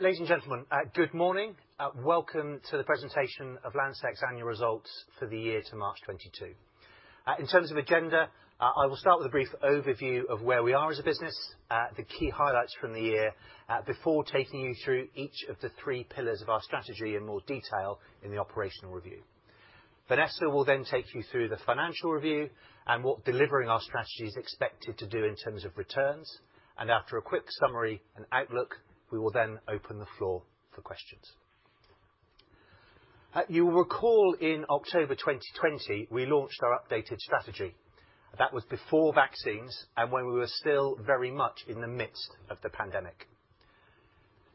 Ladies and gentlemen, good morning. Welcome to the presentation of Landsec's annual results for the year to March 2022. In terms of agenda, I will start with a brief overview of where we are as a business, the key highlights from the year, before taking you through each of the three pillars of our strategy in more detail in the operational review. Vanessa will then take you through the financial review and what delivering our strategy is expected to do in terms of returns. After a quick summary and outlook, we will then open the floor for questions. You will recall in October 2020, we launched our updated strategy. That was before vaccines and when we were still very much in the midst of the pandemic.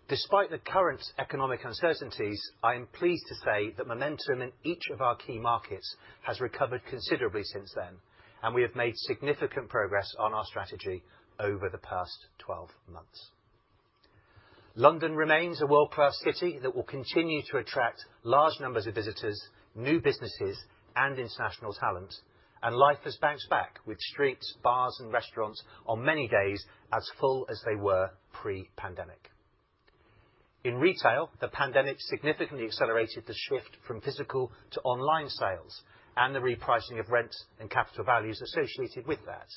Despite the current economic uncertainties, I am pleased to say that momentum in each of our key markets has recovered considerably since then, and we have made significant progress on our strategy over the past 12 months. London remains a world-class city that will continue to attract large numbers of visitors, new businesses, and international talent. Life has bounced back with streets, bars, and restaurants on many days as full as they were pre-pandemic. In retail, the pandemic significantly accelerated the shift from physical to online sales and the repricing of rents and capital values associated with that.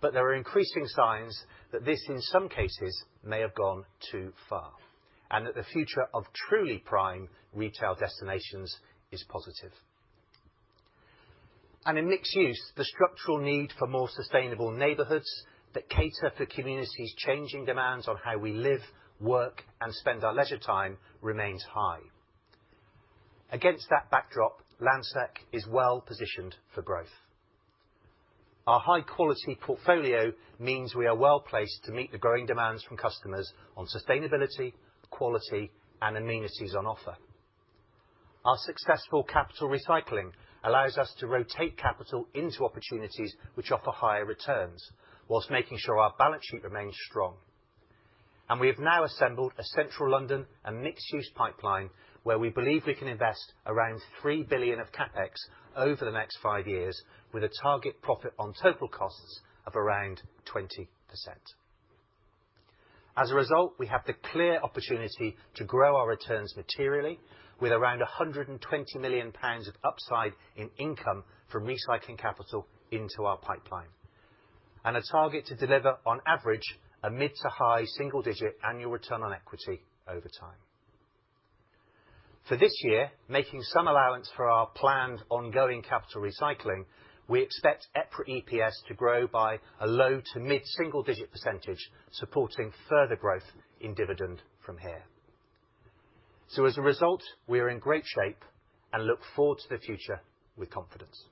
There are increasing signs that this, in some cases, may have gone too far, and that the future of truly prime retail destinations is positive. In mixed use, the structural need for more sustainable neighborhoods that cater for communities changing demands on how we live, work, and spend our leisure time remains high. Against that backdrop, Landsec is well positioned for growth. Our high quality portfolio means we are well-placed to meet the growing demands from customers on sustainability, quality, and amenities on offer. Our successful capital recycling allows us to rotate capital into opportunities which offer higher returns while making sure our balance sheet remains strong. We have now assembled a central London and mixed use pipeline where we believe we can invest around 3 billion of CapEx over the next five years with a target profit on total costs of around 20%. As a result, we have the clear opportunity to grow our returns materially with around 120 million pounds of upside in income from recycling capital into our pipeline, and a target to deliver on average a mid-to-high single-digit annual return on equity over time. For this year, making some allowance for our planned ongoing capital recycling, we expect EPRA EPS to grow by a low- to mid-single-digit percentage, supporting further growth in dividend from here. As a result, we are in great shape and look forward to the future with confidence.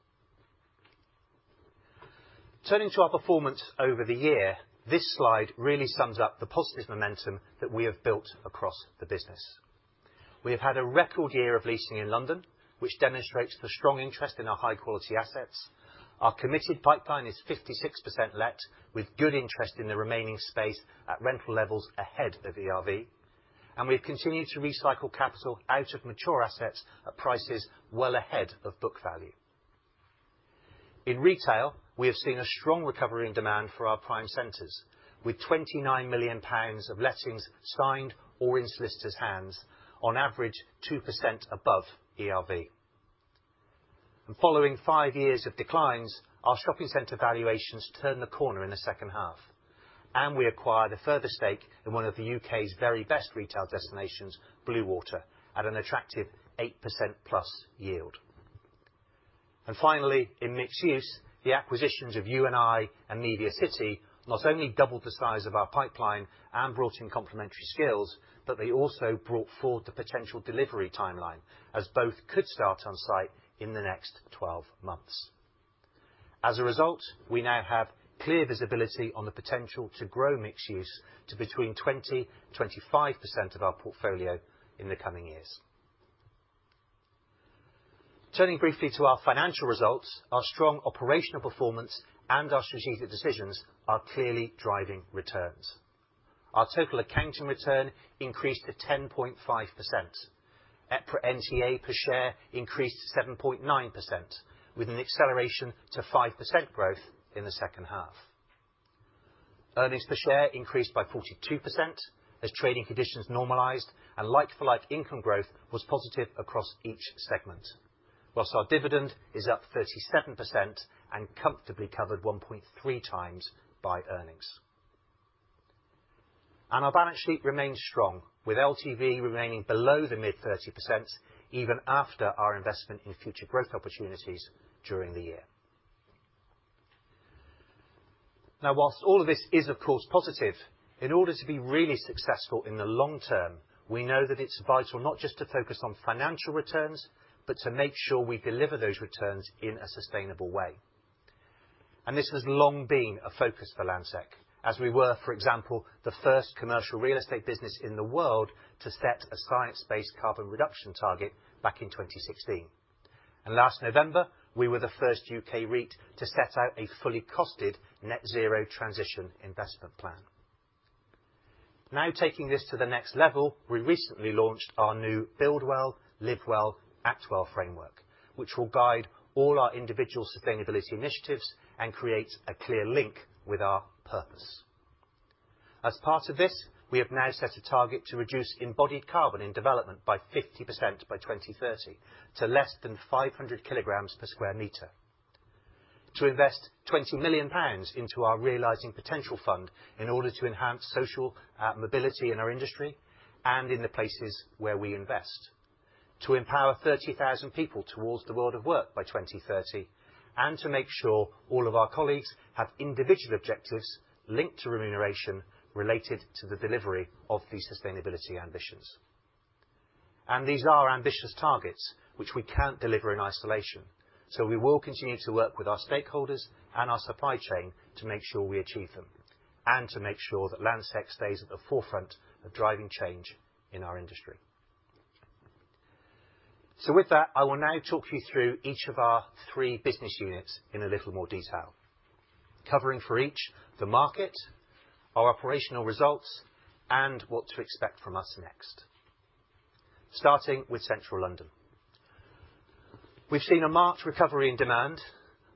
Turning to our performance over the year, this slide really sums up the positive momentum that we have built across the business. We have had a record year of leasing in London, which demonstrates the strong interest in our high-quality assets. Our committed pipeline is 56% let, with good interest in the remaining space at rental levels ahead of ERV. We've continued to recycle capital out of mature assets at prices well ahead of book value. In retail, we have seen a strong recovery in demand for our prime centers with 29 million pounds of lettings signed or in solicitor's hands on average 2% above ERV. Following five years of declines, our shopping center valuations turned the corner in the second half, and we acquired a further stake in one of the U.K.'s very best retail destinations, Bluewater, at an attractive 8%+ yield. Finally, in mixed use, the acquisitions of U+I and MediaCity, not only doubled the size of our pipeline and brought in complementary skills, but they also brought forward the potential delivery timeline as both could start on site in the next 12 months. As a result, we now have clear visibility on the potential to grow mixed use to between 20%-25% of our portfolio in the coming years. Turning briefly to our financial results, our strong operational performance and our strategic decisions are clearly driving returns. Our total accounting return increased to 10.5%. EPRA NTA per share increased 7.9%, with an acceleration to 5% growth in the second half. Earnings per share increased by 42% as trading conditions normalized and like-for-like income growth was positive across each segment. While our dividend is up 37% and comfortably covered 1.3x by earnings. Our balance sheet remains strong, with LTV remaining below the mid-30% even after our investment in future growth opportunities during the year. Now, while all of this is of course positive, in order to be really successful in the long term, we know that it's vital not just to focus on financial returns, but to make sure we deliver those returns in a sustainable way. This has long been a focus for Landsec as we were, for example, the first commercial real estate business in the world to set a science-based carbon reduction target back in 2016. Last November, we were the first U.K. REIT to set out a fully costed net zero transition investment plan. Now, taking this to the next level, we recently launched our new Build Well, Live Well, Act Well framework, which will guide all our individual sustainability initiatives and create a clear link with our purpose. As part of this, we have now set a target to reduce embodied carbon in development by 50% by 2030 to less than 500 kg per sq m. To invest 20 million pounds into our Realising Potential fund in order to enhance social mobility in our industry and in the places where we invest. To empower 30,000 people towards the world of work by 2030, and to make sure all of our colleagues have individual objectives linked to remuneration related to the delivery of these sustainability ambitions. These are ambitious targets which we can't deliver in isolation, so we will continue to work with our stakeholders and our supply chain to make sure we achieve them, and to make sure that Landsec stays at the forefront of driving change in our industry. With that, I will now talk you through each of our three business units in a little more detail. Covering for each the market, our operational results, and what to expect from us next. Starting with Central London. We've seen a marked recovery in demand,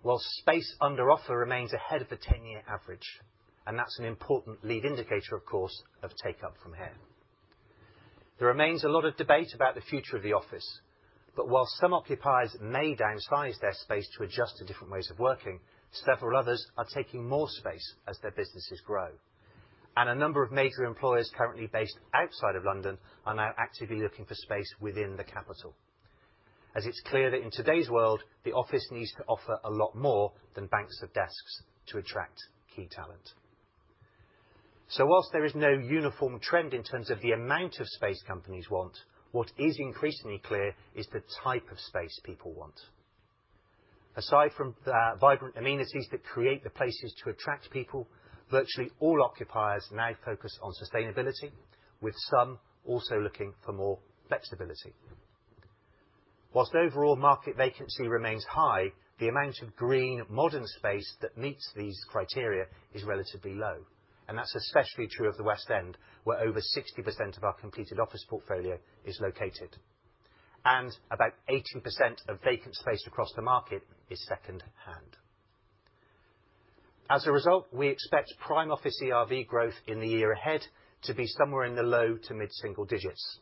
while space under offer remains ahead of the ten-year average, and that's an important lead indicator, of course, of take-up from here. There remains a lot of debate about the future of the office, but while some occupiers may downsize their space to adjust to different ways of working, several others are taking more space as their businesses grow. A number of major employers currently based outside of London are now actively looking for space within the capital, as it's clear that in today's world, the office needs to offer a lot more than banks of desks to attract key talent. While there is no uniform trend in terms of the amount of space companies want, what is increasingly clear is the type of space people want. Aside from the vibrant amenities that create the places to attract people, virtually all occupiers now focus on sustainability, with some also looking for more flexibility. While overall market vacancy remains high, the amount of green modern space that meets these criteria is relatively low, and that's especially true of the West End, where over 60% of our completed office portfolio is located. About 80% of vacant space across the market is second-hand. As a result, we expect prime office ERV growth in the year ahead to be somewhere in the low- to mid-single digits.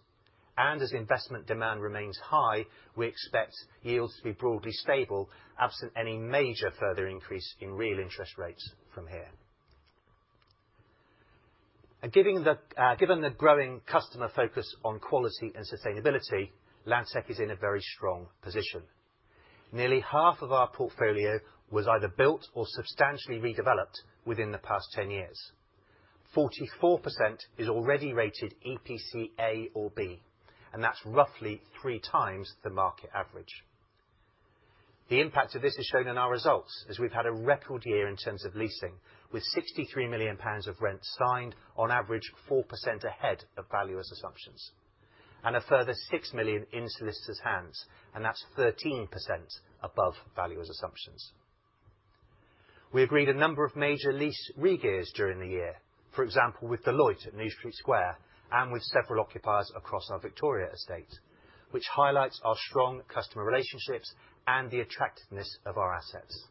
As investment demand remains high, we expect yields to be broadly stable, absent any major further increase in real interest rates from here. Given the growing customer focus on quality and sustainability, Landsec is in a very strong position. Nearly half of our portfolio was either built or substantially redeveloped within the past 10 years. 44% is already rated EPC A or B, and that's roughly 3x the market average. The impact of this is shown in our results, as we've had a record year in terms of leasing, with 63 million pounds of rent signed on average 4% ahead of valuer's assumptions. A further 6 million in solicitors' hands, and that's 13% above valuer's assumptions. We agreed a number of major lease regears during the year. For example, with Deloitte at 1 New Street Square and with several occupiers across our Victoria estate, which highlights our strong customer relationships and the attractiveness of our assets.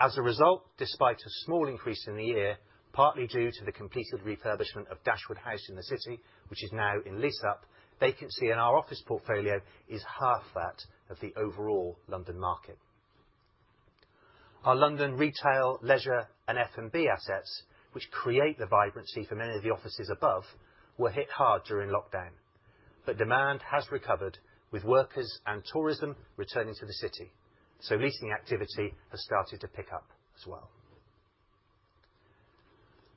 As a result, despite a small increase in the year, partly due to the completed refurbishment of Dashwood House in the city, which is now in lease up, vacancy in our office portfolio is half that of the overall London market. Our London retail, leisure, and F&B assets, which create the vibrancy for many of the offices above, were hit hard during lockdown. Demand has recovered with workers and tourism returning to the city. Leasing activity has started to pick up as well.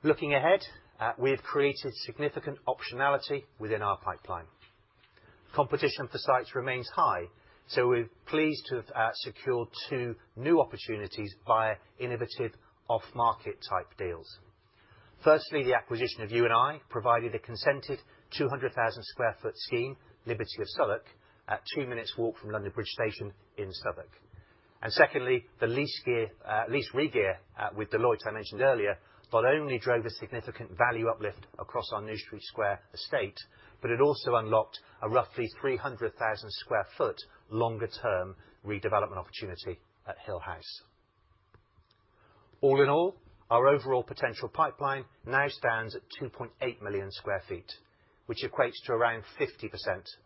Looking ahead, we have created significant optionality within our pipeline. Competition for sites remains high, so we're pleased to have secured two new opportunities via innovative off-market type deals. Firstly, the acquisition of U+I provided a consented 200,000 sq ft scheme, Liberty of Southwark, a two minutes walk from London Bridge Station in Southwark. Secondly, the lease regear with Deloitte, I mentioned earlier, not only drove a significant value uplift across our New Street Square estate, but it also unlocked a roughly 300,000 sq ft longer term redevelopment opportunity at Hill House. All in all, our overall potential pipeline now stands at 2.8 million sq ft, which equates to around 50%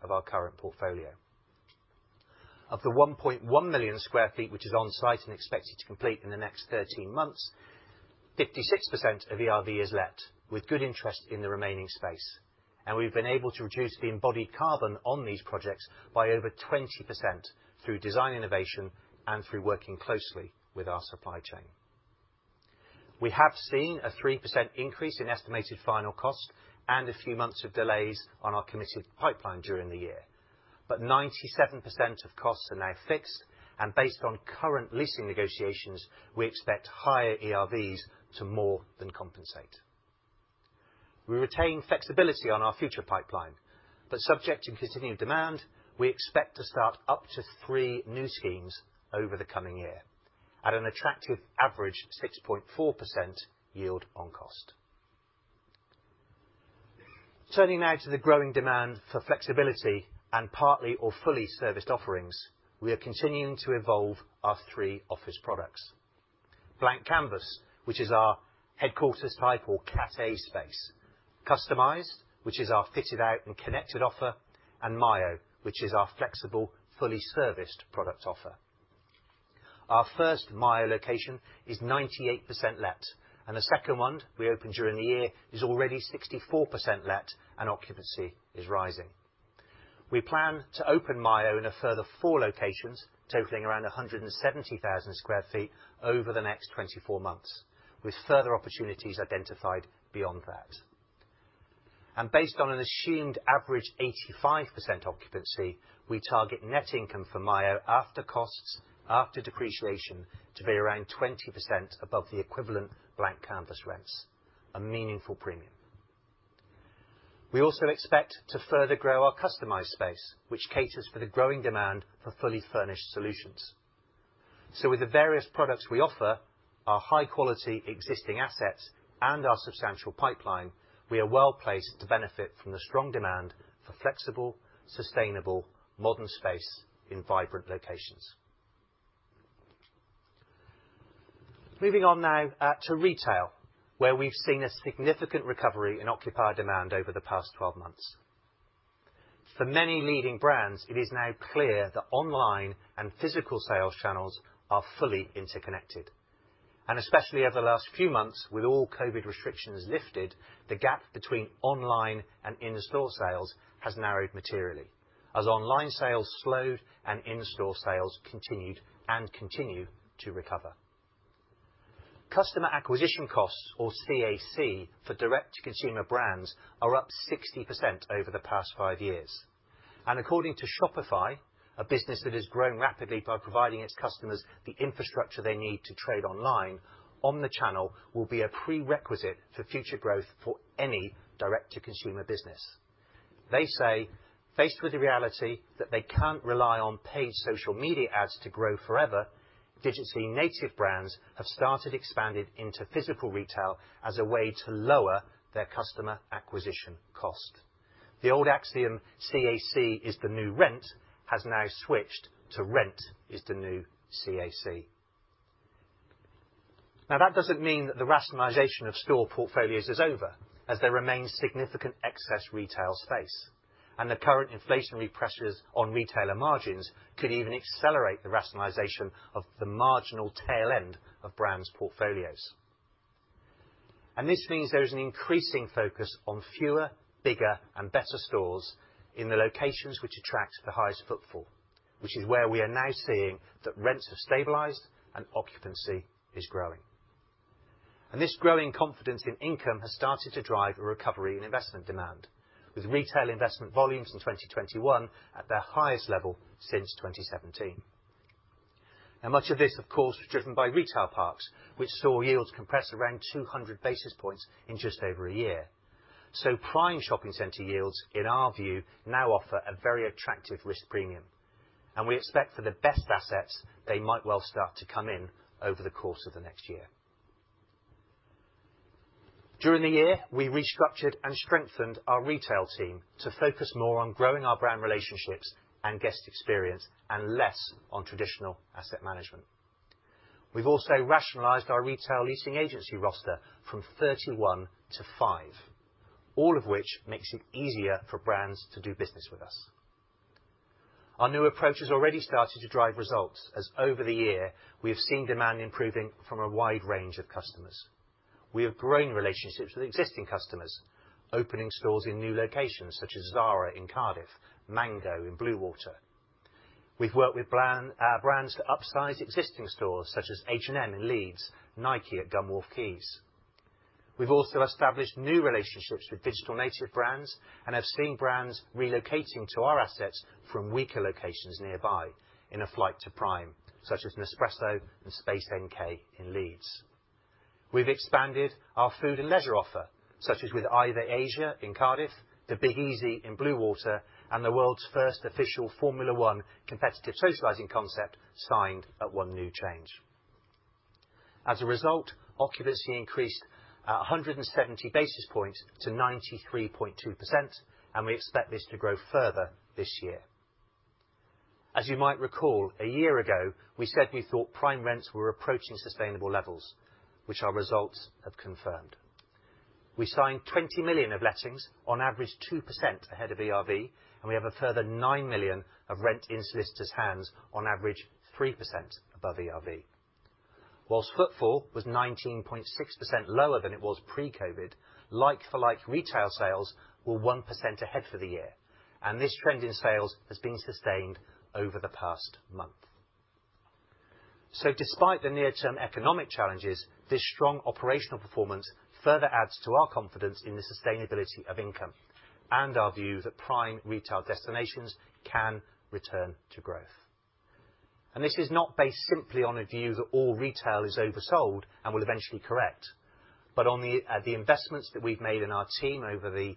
of our current portfolio. Of the 1.1 million sq ft, which is on site and expected to complete in the next 13 months, 56% of ERV is let with good interest in the remaining space. We've been able to reduce the embodied carbon on these projects by over 20% through design innovation and through working closely with our supply chain. We have seen a 3% increase in estimated final cost and a few months of delays on our committed pipeline during the year. Ninety-seven percent of costs are now fixed. Based on current leasing negotiations, we expect higher ERVs to more than compensate. We retain flexibility on our future pipeline, but subject to continuing demand, we expect to start up to three new schemes over the coming year at an attractive average 6.4% yield on cost. Turning now to the growing demand for flexibility and partly or fully serviced offerings, we are continuing to evolve our three office products, Blank Canvas, which is our headquarters type or Cat A space, Customized, which is our fitted out and connected offer, and MYO, which is our flexible, fully serviced product offer. Our first MYO location is 98% let, and the second one we opened during the year is already 64% let and occupancy is rising. We plan to open MYO in a further four locations, totaling around 170,000 sq ft over the next 24 months, with further opportunities identified beyond that. Based on an assumed average 85% occupancy, we target net income for MYO after costs, after depreciation, to be around 20% above the equivalent Blank Canvas rents, a meaningful premium. We also expect to further grow our customized space, which caters for the growing demand for fully furnished solutions. With the various products we offer, our high-quality existing assets and our substantial pipeline, we are well-placed to benefit from the strong demand for flexible, sustainable, modern space in vibrant locations. Moving on now to retail, where we've seen a significant recovery in occupier demand over the past 12 months. For many leading brands, it is now clear that online and physical sales channels are fully interconnected. Especially over the last few months, with all COVID restrictions lifted, the gap between online and in-store sales has narrowed materially as online sales slowed and in-store sales continued and continue to recover. Customer acquisition costs, or CAC, for direct-to-consumer brands are up 60% over the past five years. According to Shopify, a business that has grown rapidly by providing its customers the infrastructure they need to trade online, omni-channel will be a prerequisite for future growth for any direct-to-consumer business. They say, faced with the reality that they can't rely on paid social media ads to grow forever, digitally native brands have started expanding into physical retail as a way to lower their customer acquisition cost. The old axiom, CAC is the new rent, has now switched to rent is the new CAC. Now, that doesn't mean that the rationalization of store portfolios is over, as there remains significant excess retail space, and the current inflationary pressures on retailer margins could even accelerate the rationalization of the marginal tail end of brands' portfolios. This means there is an increasing focus on fewer, bigger and better stores in the locations which attract the highest footfall, which is where we are now seeing that rents have stabilized and occupancy is growing. This growing confidence in income has started to drive a recovery in investment demand, with retail investment volumes in 2021 at their highest level since 2017. Much of this, of course, was driven by retail parks, which saw yields compress around 200 basis points in just over a year. Prime shopping center yields, in our view, now offer a very attractive risk premium, and we expect for the best assets, they might well start to come in over the course of the next year. During the year, we restructured and strengthened our retail team to focus more on growing our brand relationships and guest experience, and less on traditional asset management. We've also rationalized our retail leasing agency roster from 31 to five, all of which makes it easier for brands to do business with us. Our new approach has already started to drive results, as over the year we have seen demand improving from a wide range of customers. We have grown relationships with existing customers, opening stores in new locations such as Zara in Cardiff, Mango in Bluewater. We've worked with brands to upsize existing stores such as H&M in Leeds, Nike at Gunwharf Quays. We've also established new relationships with digital native brands and have seen brands relocating to our assets from weaker locations nearby in a flight to prime, such as Nespresso and Space NK in Leeds. We've expanded our food and leisure offer, such as with Ivy Asia in Cardiff, the Bill's in Bluewater, and the world's first official Formula One competitive socializing concept signed at One New Change. As a result, occupancy increased 170 basis points to 93.2%, and we expect this to grow further this year. As you might recall, a year ago we said we thought prime rents were approaching sustainable levels, which our results have confirmed. We signed 20 million of lettings on average 2% ahead of ERV, and we have a further 9 million of rent in solicitors' hands on average 3% above ERV. Whilst footfall was 19.6% lower than it was pre-COVID, like for like retail sales were 1% ahead for the year, and this trend in sales has been sustained over the past month. Despite the near-term economic challenges, this strong operational performance further adds to our confidence in the sustainability of income and our view that prime retail destinations can return to growth. This is not based simply on a view that all retail is oversold and will eventually correct, but on the investments that we've made in our team over the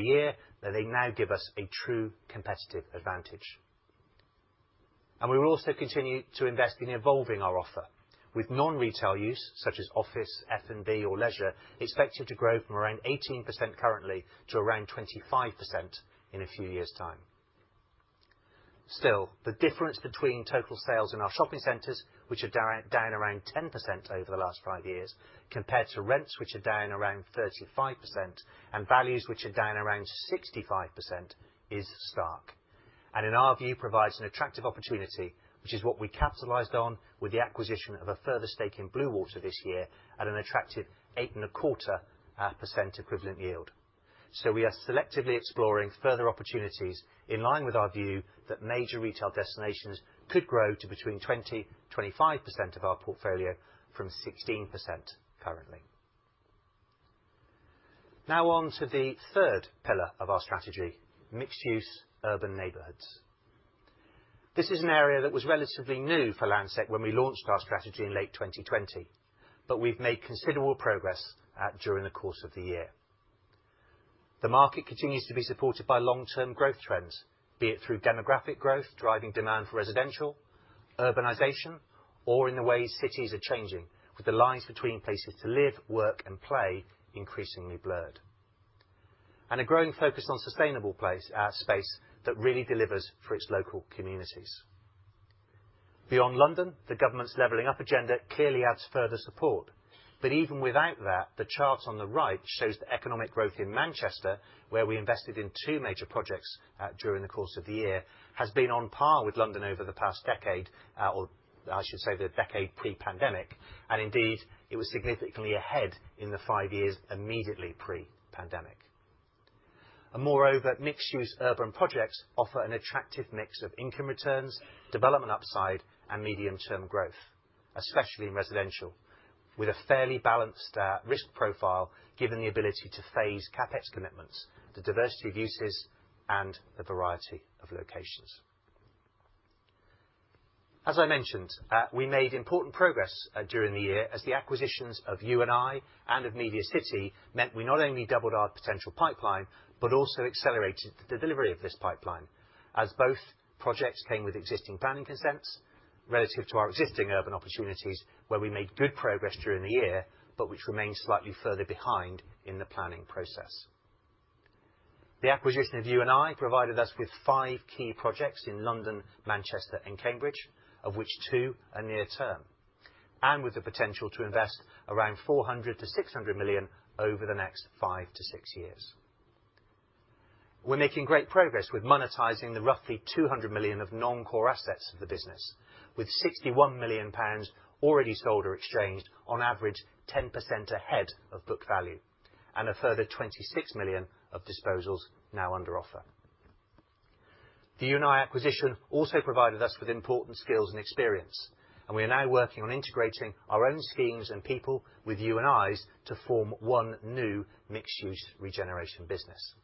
year, that they now give us a true competitive advantage. We will also continue to invest in evolving our offer with non-retail use, such as office, F&B or leisure, expected to grow from around 18% currently to around 25% in a few years' time. Still, the difference between total sales in our shopping centers, which are down around 10% over the last five years, compared to rents, which are down around 35%, and values which are down around 65%, is stark. In our view, provides an attractive opportunity, which is what we capitalized on with the acquisition of a further stake in Bluewater this year at an attractive 8.25% equivalent yield. We are selectively exploring further opportunities in line with our view that major retail destinations could grow to between 20%-25% of our portfolio from 16% currently. Now on to the third pillar of our strategy, mixed use urban neighborhoods. This is an area that was relatively new for Landsec when we launched our strategy in late 2020, but we've made considerable progress during the course of the year. The market continues to be supported by long-term growth trends, be it through demographic growth driving demand for residential, urbanization, or in the way cities are changing, with the lines between places to live, work, and play increasingly blurred. A growing focus on sustainable place, space, that really delivers for its local communities. Beyond London, the government's leveling up agenda clearly adds further support. But even without that, the chart on the right shows the economic growth in Manchester, where we invested in two major projects, during the course of the year, has been on par with London over the past decade, or I should say the decade pre-pandemic, and indeed, it was significantly ahead in the five years immediately pre-pandemic. Moreover, mixed use urban projects offer an attractive mix of income returns, development upside, and medium-term growth, especially in residential, with a fairly balanced, risk profile, given the ability to phase CapEx commitments, the diversity of uses, and a variety of locations. As I mentioned, we made important progress during the year as the acquisitions of U+I and of MediaCity meant we not only doubled our potential pipeline, but also accelerated the delivery of this pipeline, as both projects came with existing planning consents relative to our existing urban opportunities where we made good progress during the year, but which remain slightly further behind in the planning process. The acquisition of U+I provided us with five key projects in London, Manchester and Cambridge, of which two are near term, and with the potential to invest around 400 million-600 million over the next five to six years. We're making great progress with monetizing the roughly 200 million of non-core assets of the business, with 61 million pounds already sold or exchanged on average 10% ahead of book value, and a further 26 million of disposals now under offer. The U+I acquisition also provided us with important skills and experience, and we are now working on integrating our own schemes and people with U+I's to form one new mixed use regeneration business.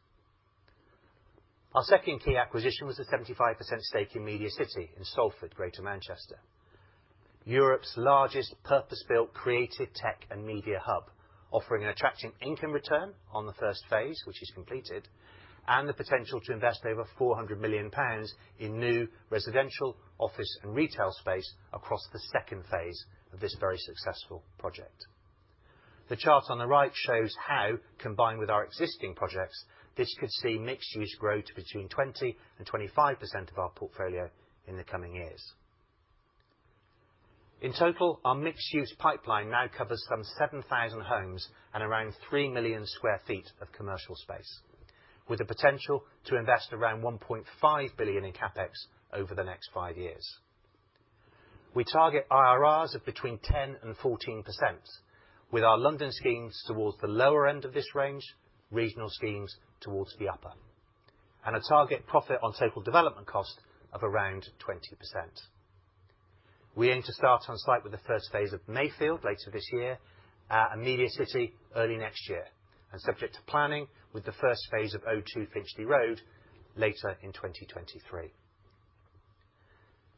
Our second key acquisition was a 75% stake in MediaCity in Salford, Greater Manchester, Europe's largest purpose-built creative tech and media hub, offering an attractive income return on the first phase, which is completed, and the potential to invest over 400 million pounds in new residential, office and retail space across the second phase of this very successful project. The chart on the right shows how, combined with our existing projects, this could see mixed use grow to between 20% and 25% of our portfolio in the coming years. In total, our mixed use pipeline now covers some 7,000 homes and around 3 million sq ft of commercial space, with the potential to invest around 1.5 billion in CapEx over the next five years. We target IRRs of between 10% and 14%, with our London schemes towards the lower end of this range, regional schemes towards the upper. A target profit on total development cost of around 20%. We aim to start on site with the first phase of Mayfield later this year, and MediaCity early next year. Subject to planning with the first phase of O2 Finchley Road later in 2023.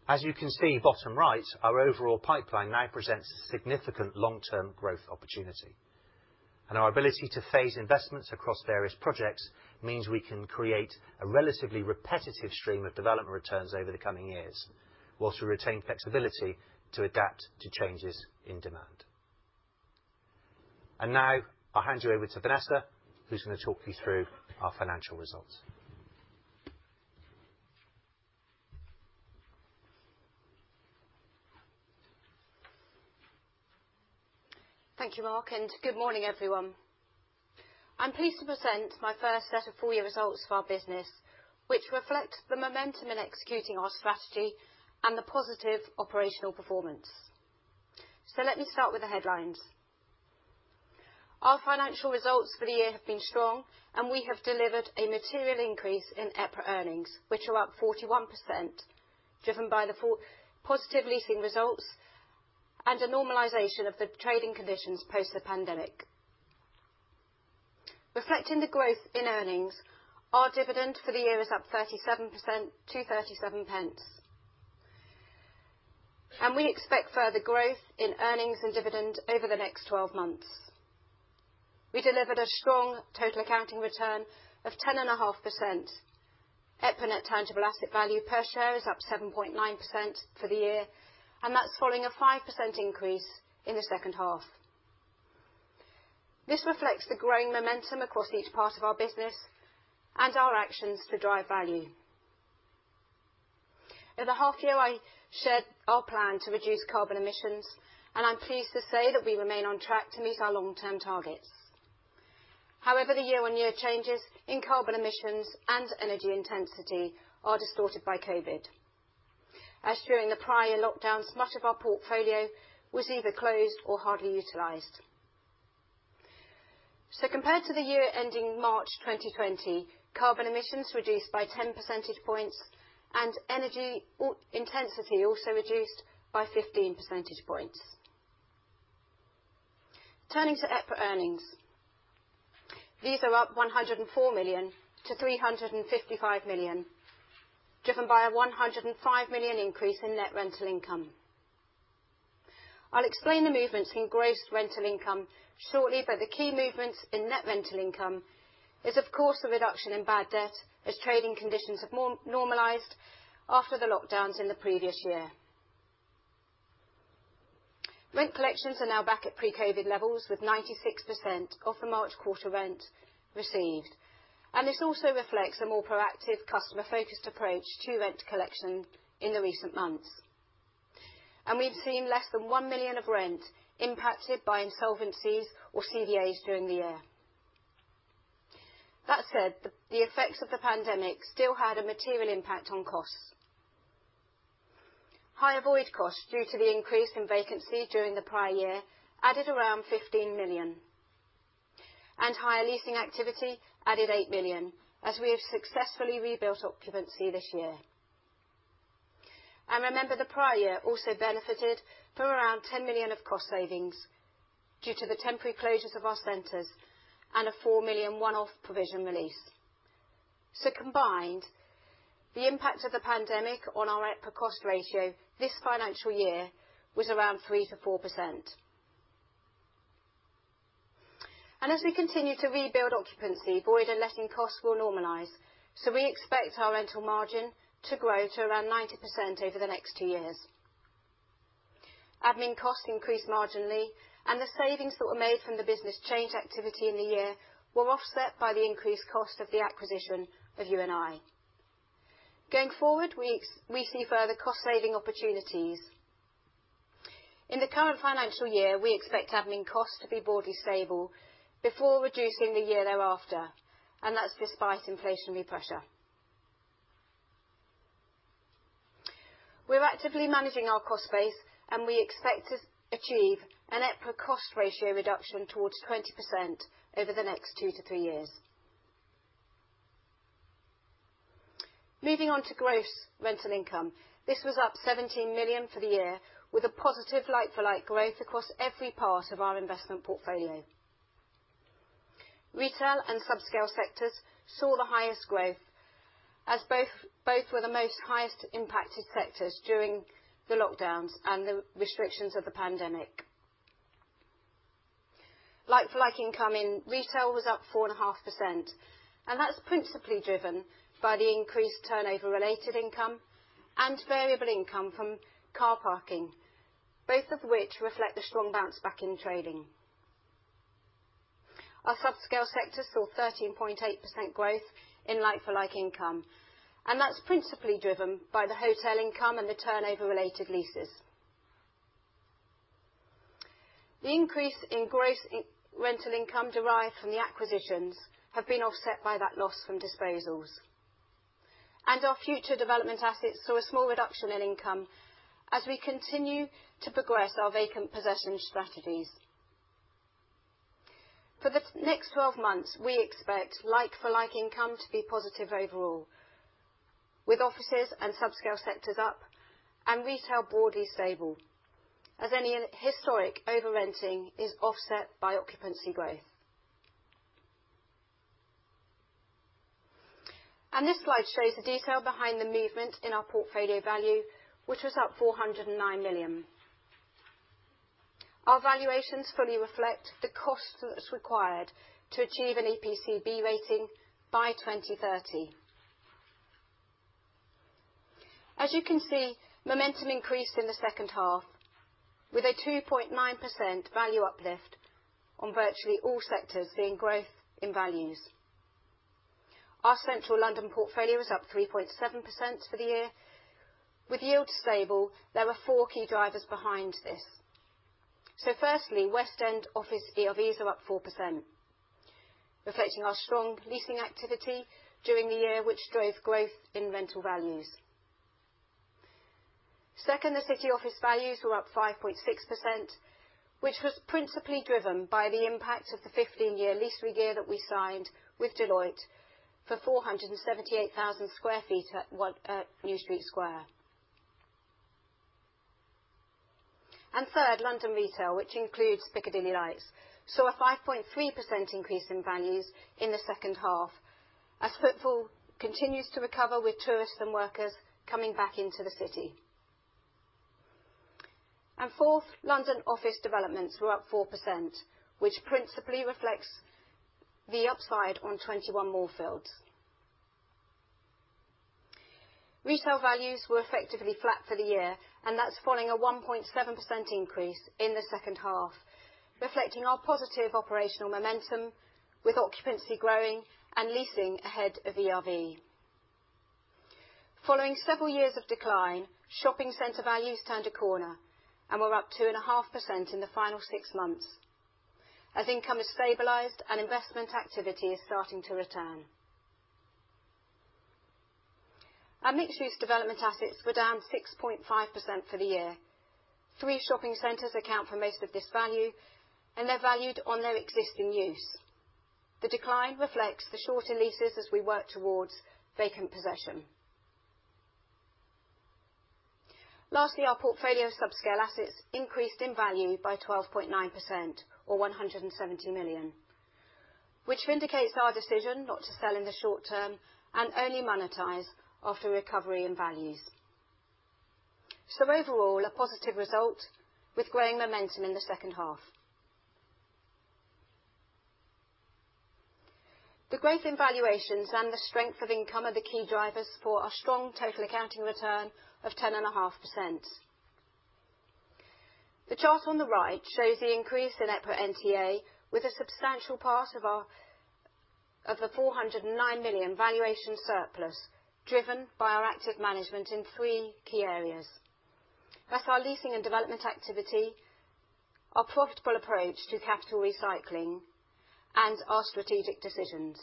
As you can see, bottom right, our overall pipeline now presents significant long-term growth opportunity. Our ability to phase investments across various projects means we can create a relatively repetitive stream of development returns over the coming years, whilst we retain flexibility to adapt to changes in demand. Now I'll hand you over to Vanessa, who's gonna talk you through our financial results. Thank you, Mark, and good morning, everyone. I'm pleased to present my first set of full year results for our business, which reflect the momentum in executing our strategy and the positive operational performance. Let me start with the headlines. Our financial results for the year have been strong, and we have delivered a material increase in EPRA earnings, which are up 41%, driven by the positive leasing results and a normalization of the trading conditions post the pandemic. Reflecting the growth in earnings, our dividend for the year is up 37% to 0.37. We expect further growth in earnings and dividend over the next 12 months. We delivered a strong total accounting return of 10.5%. EPRA net tangible asset value per share is up 7.9% for the year, and that's following a 5% increase in the second half. This reflects the growing momentum across each part of our business and our actions to drive value. At the half year, I shared our plan to reduce carbon emissions, and I'm pleased to say that we remain on track to meet our long-term targets. However, the year-on-year changes in carbon emissions and energy intensity are distorted by COVID, as during the prior lockdowns, much of our portfolio was either closed or hardly utilized. Compared to the year ending March 2020, carbon emissions reduced by 10 percentage points, and energy intensity also reduced by 15 percentage points. Turning to EPRA earnings. These are up 104 million-355 million, driven by a 105 million increase in net rental income. I'll explain the movements in gross rental income shortly, but the key movements in net rental income is, of course, the reduction in bad debt as trading conditions have normalized after the lockdowns in the previous year. Rent collections are now back at pre-COVID levels, with 96% of the March quarter rent received, and this also reflects a more proactive customer-focused approach to rent collection in the recent months. We've seen less than 1 million of rent impacted by insolvencies or CVAs during the year. That said, the effects of the pandemic still had a material impact on costs. Higher void costs due to the increase in vacancy during the prior year added around 15 million, and higher leasing activity added 8 million, as we have successfully rebuilt occupancy this year. Remember, the prior year also benefited from around 10 million of cost savings due to the temporary closures of our centers and a 4 million one-off provision release. Combined, the impact of the pandemic on our EPRA cost ratio this financial year was around 3%-4%. As we continue to rebuild occupancy, void and letting costs will normalize, so we expect our rental margin to grow to around 90% over the next two years. Admin costs increased marginally, and the savings that were made from the business change activity in the year were offset by the increased cost of the acquisition of U+I. Going forward, we see further cost-saving opportunities. In the current financial year, we expect admin costs to be broadly stable before reducing the year thereafter, and that's despite inflationary pressure. We're actively managing our cost base, and we expect to achieve an EPRA cost ratio reduction towards 20% over the next two to three years. Moving on to gross rental income. This was up 17 million for the year, with a positive like-for-like growth across every part of our investment portfolio. Retail and subscale sectors saw the highest growth, as both were the most heavily impacted sectors during the lockdowns and the restrictions of the pandemic. Like-for-like income in retail was up 4.5%, and that's principally driven by the increased turnover-related income and variable income from car parking, both of which reflect the strong bounce back in trading. Our subscale sector saw 13.8% growth in like-for-like income, and that's principally driven by the hotel income and the turnover-related leases. The increase in gross rental income derived from the acquisitions have been offset by that loss from disposals. Our future development assets saw a small reduction in income as we continue to progress our vacant possession strategies. For the next twelve months, we expect like-for-like income to be positive overall, with offices and subscale sectors up and retail broadly stable, as any historic over-renting is offset by occupancy growth. This slide shows the detail behind the movement in our portfolio value, which was up 409 million. Our valuations fully reflect the cost that's required to achieve an EPC B rating by 2030. As you can see, momentum increased in the second half with a 2.9% value uplift on virtually all sectors seeing growth in values. Our Central London portfolio is up 3.7% for the year. With yields stable, there were four key drivers behind this. Firstly, West End office ERVs are up 4%, reflecting our strong leasing activity during the year, which drove growth in rental values. Second, the City office values were up 5.6%, which was principally driven by the impact of the 15-year lease we gave that we signed with Deloitte for 478,000 sq ft at 1 New Street Square. Third, London retail, which includes Piccadilly Lights, saw a 5.3% increase in values in the second half as footfall continues to recover with tourists and workers coming back into the city. Fourth, London office developments were up 4%, which principally reflects the upside on 21 Moorfields. Retail values were effectively flat for the year, and that's following a 1.7% increase in the second half, reflecting our positive operational momentum with occupancy growing and leasing ahead of ERV. Following several years of decline, shopping center values turned a corner and were up 2.5% in the final six months as income has stabilized and investment activity is starting to return. Our mixed-use development assets were down 6.5% for the year. Three shopping centers account for most of this value, and they're valued on their existing use. The decline reflects the shorter leases as we work towards vacant possession. Lastly, our portfolio subscale assets increased in value by 12.9% or 170 million, which vindicates our decision not to sell in the short term and only monetize after recovery and values. Overall, a positive result with growing momentum in the second half. The growth in valuations and the strength of income are the key drivers for our strong total accounting return of 10.5%. The chart on the right shows the increase in EPRA NTA with a substantial part of the 409 million valuation surplus driven by our active management in three key areas. That's our leasing and development activity, our profitable approach to capital recycling, and our strategic decisions.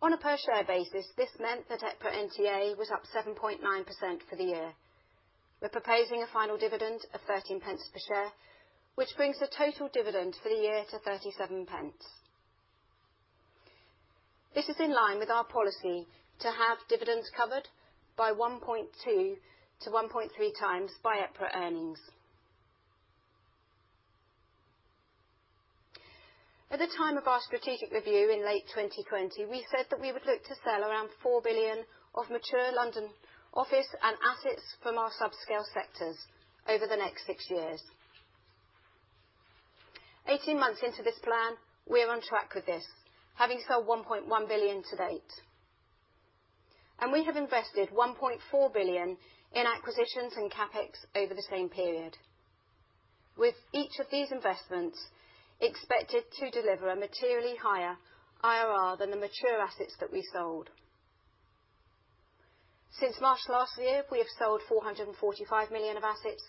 On a per share basis, this meant that EPRA NTA was up 7.9% for the year. We're proposing a final dividend of 0.13 per share, which brings the total dividend for the year to 0.37. This is in line with our policy to have dividends covered by 1.2x-1.3x by EPRA earnings. At the time of our strategic review in late 2020, we said that we would look to sell around 4 billion of mature London office and assets from our subscale sectors over the next six years. 18 months into this plan, we are on track with this, having sold 1.1 billion to date. We have invested 1.4 billion in acquisitions and CapEx over the same period, with each of these investments expected to deliver a materially higher IRR than the mature assets that we sold. Since March last year, we have sold 445 million of assets,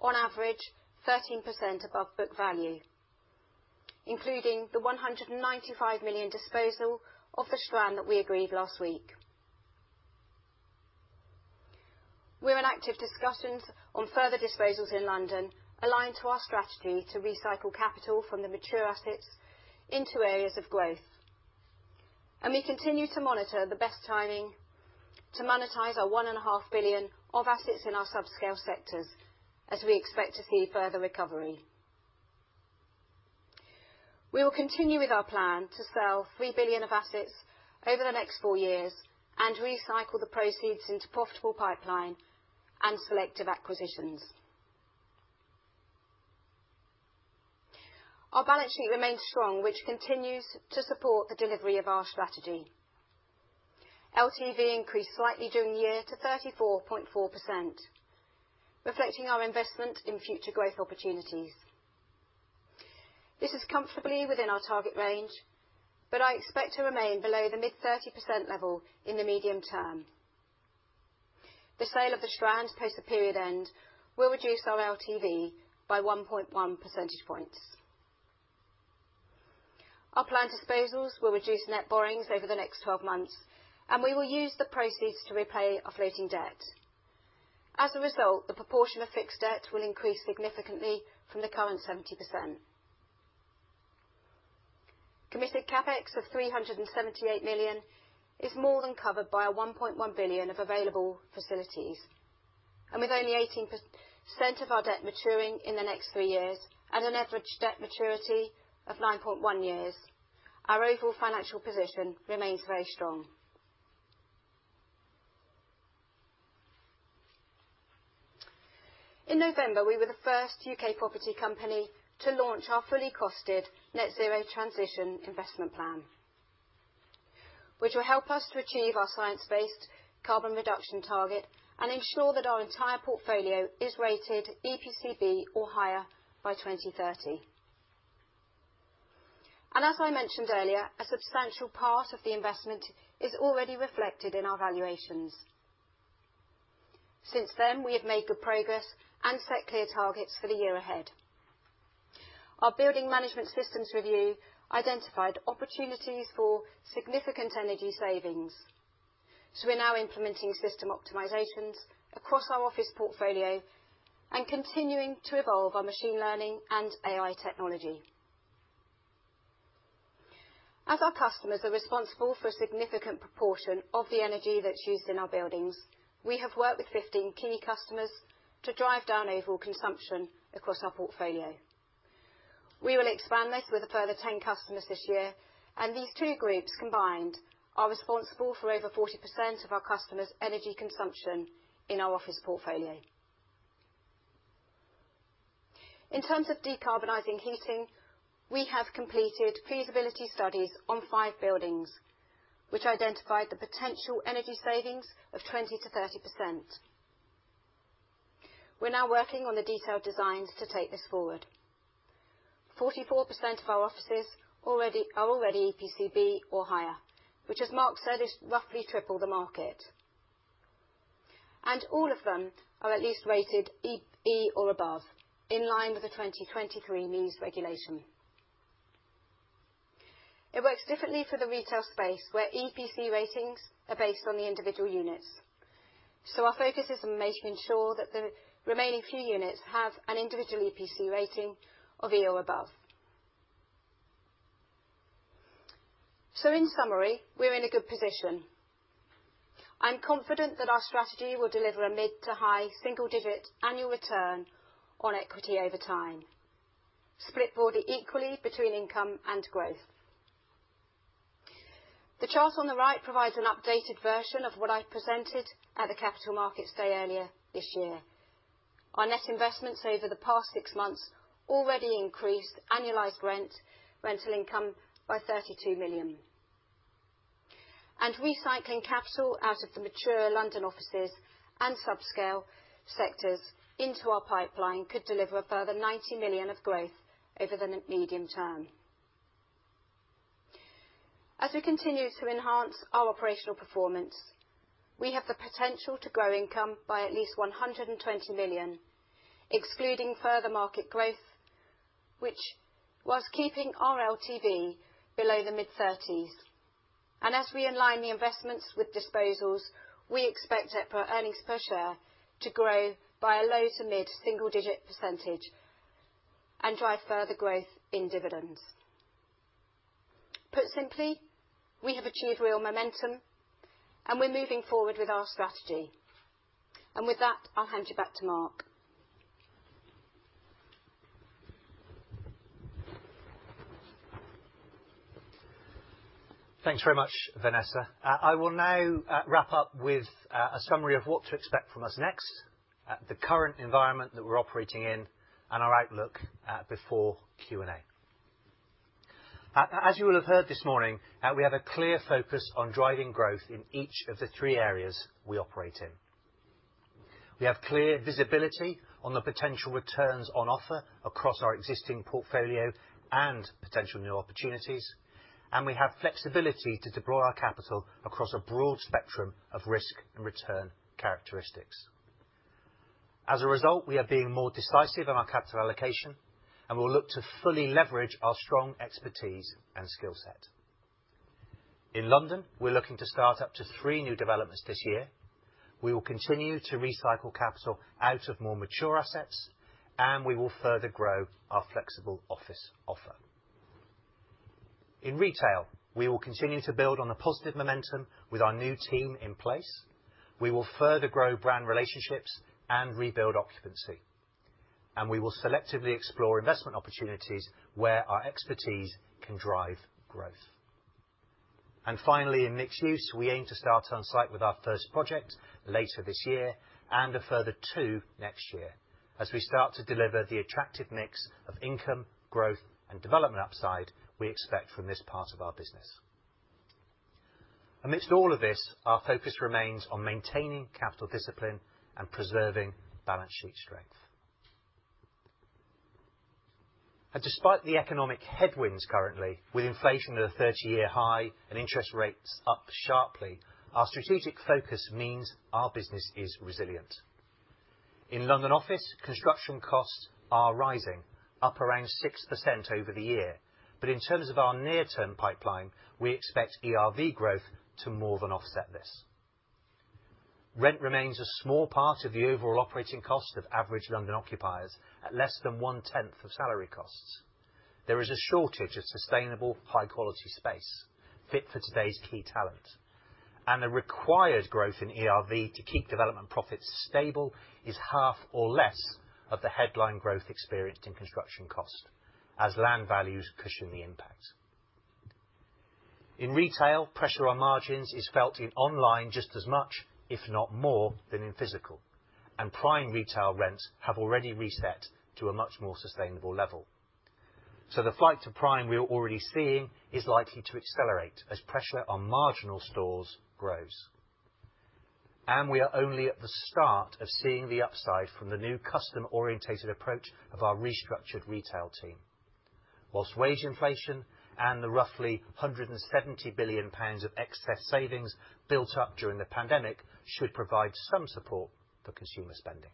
on average, 13% above book value, including the 195 million disposal of The Strand that we agreed last week. We're in active discussions on further disposals in London, aligned to our strategy to recycle capital from the mature assets into areas of growth. We continue to monitor the best timing to monetize our 1.5 billion of assets in our subscale sectors as we expect to see further recovery. We will continue with our plan to sell 3 billion of assets over the next four years and recycle the proceeds into profitable pipeline and selective acquisitions. Our balance sheet remains strong, which continues to support the delivery of our strategy. LTV increased slightly during the year to 34.4%, reflecting our investment in future growth opportunities. This is comfortably within our target range, but I expect to remain below the mid-30% level in the medium term. The sale of The Strand post the period end will reduce our LTV by 1.1 percentage points. Our planned disposals will reduce net borrowings over the next 12 months, and we will use the proceeds to repay our floating debt. As a result, the proportion of fixed debt will increase significantly from the current 70%. Committed CapEx of 378 million is more than covered by our 1.1 billion of available facilities. With only 18% of our debt maturing in the next three years and an average debt maturity of 9.1 years, our overall financial position remains very strong. In November, we were the first U.K. property company to launch our fully costed net zero transition investment plan, which will help us to achieve our science-based carbon reduction target and ensure that our entire portfolio is rated EPC B or higher by 2030. As I mentioned earlier, a substantial part of the investment is already reflected in our valuations. Since then, we have made good progress and set clear targets for the year ahead. Our building management systems review identified opportunities for significant energy savings, so we're now implementing system optimizations across our office portfolio and continuing to evolve our machine learning and AI technology. As our customers are responsible for a significant proportion of the energy that's used in our buildings, we have worked with 15 key customers to drive down overall consumption across our portfolio. We will expand this with a further 10 customers this year, and these two groups combined are responsible for over 40% of our customers' energy consumption in our office portfolio. In terms of decarbonizing heating, we have completed feasibility studies on five buildings, which identified the potential energy savings of 20%-30%. We're now working on the detailed designs to take this forward. 44% of our offices are already EPC B or higher, which as Mark said, is roughly triple the market. All of them are at least rated E or above, in line with the 2023 MEES regulation. It works differently for the retail space, where EPC ratings are based on the individual units. Our focus is on making sure that the remaining few units have an individual EPC rating of E or above. In summary, we're in a good position. I'm confident that our strategy will deliver a mid-to-high single digit annual return on equity over time, split broadly equally between income and growth. The chart on the right provides an updated version of what I presented at the Capital Markets Day earlier this year. Our net investments over the past six months already increased annualized rent, rental income by 32 million. Recycling capital out of the mature London offices and subscale sectors into our pipeline could deliver a further 90 million of growth over the medium term. As we continue to enhance our operational performance, we have the potential to grow income by at least 120 million, excluding further market growth, which whilst keeping our LTV below the mid-30s. As we align the investments with disposals, we expect EPS for earnings per share to grow by a low- to mid-single-digit percentage and drive further growth in dividends. Put simply, we have achieved real momentum, and we're moving forward with our strategy. With that, I'll hand you back to Mark. Thanks very much, Vanessa. I will now wrap up with a summary of what to expect from us next, at the current environment that we're operating in and our outlook before Q&A. As you will have heard this morning, we have a clear focus on driving growth in each of the three areas we operate in. We have clear visibility on the potential returns on offer across our existing portfolio and potential new opportunities, and we have flexibility to deploy our capital across a broad spectrum of risk and return characteristics. As a result, we are being more decisive in our capital allocation, and we'll look to fully leverage our strong expertise and skill set. In London, we're looking to start up to three new developments this year. We will continue to recycle capital out of more mature assets, and we will further grow our flexible office offer. In retail, we will continue to build on the positive momentum with our new team in place. We will further grow brand relationships and rebuild occupancy. We will selectively explore investment opportunities where our expertise can drive growth. Finally, in mixed use, we aim to start on site with our first project later this year and a further two next year, as we start to deliver the attractive mix of income, growth and development upside we expect from this part of our business. Amidst all of this, our focus remains on maintaining capital discipline and preserving balance sheet strength. Despite the economic headwinds currently, with inflation at a 30-year high and interest rates up sharply, our strategic focus means our business is resilient. In London office, construction costs are rising, up around 6% over the year. In terms of our near-term pipeline, we expect ERV growth to more than offset this. Rent remains a small part of the overall operating cost of average London occupiers at less than one-tenth of salary costs. There is a shortage of sustainable, high-quality space fit for today's key talent, and the required growth in ERV to keep development profits stable is half or less of the headline growth experienced in construction cost as land values cushion the impact. In retail, pressure on margins is felt in online just as much, if not more, than in physical, and prime retail rents have already reset to a much more sustainable level. The flight to prime we are already seeing is likely to accelerate as pressure on marginal stores grows. We are only at the start of seeing the upside from the new customer oriented approach of our restructured retail team. While wage inflation and the roughly 170 billion pounds of excess savings built up during the pandemic should provide some support for consumer spending.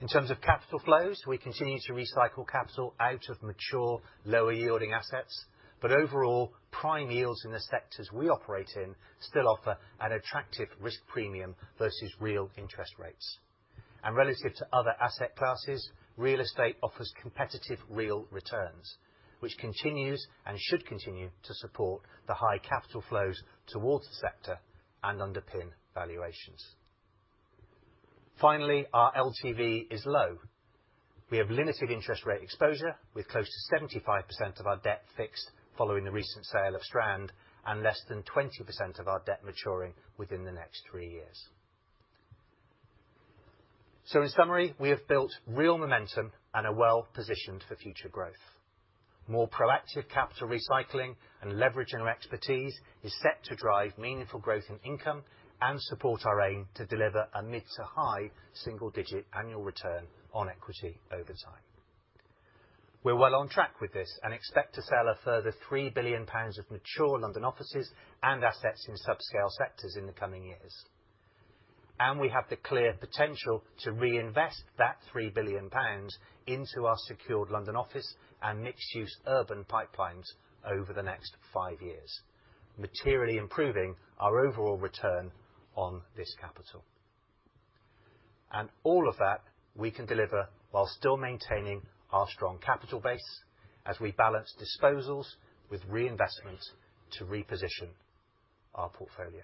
In terms of capital flows, we continue to recycle capital out of mature, lower yielding assets, but overall, prime yields in the sectors we operate in still offer an attractive risk premium versus real interest rates. Relative to other asset classes, real estate offers competitive real returns, which continues and should continue to support the high capital flows towards the sector and underpin valuations. Finally, our LTV is low. We have limited interest rate exposure with close to 75% of our debt fixed following the recent sale of Strand and less than 20% of our debt maturing within the next three years. In summary, we have built real momentum and are well-positioned for future growth. More proactive capital recycling and leverage in our expertise is set to drive meaningful growth in income and support our aim to deliver a mid to high single digit annual return on equity over time. We're well on track with this and expect to sell a further 3 billion pounds of mature London offices and assets in subscale sectors in the coming years. We have the clear potential to reinvest that 3 billion pounds into our secured London office and mixed-use urban pipelines over the next five years, materially improving our overall return on this capital. All of that we can deliver while still maintaining our strong capital base as we balance disposals with reinvestment to reposition our portfolio.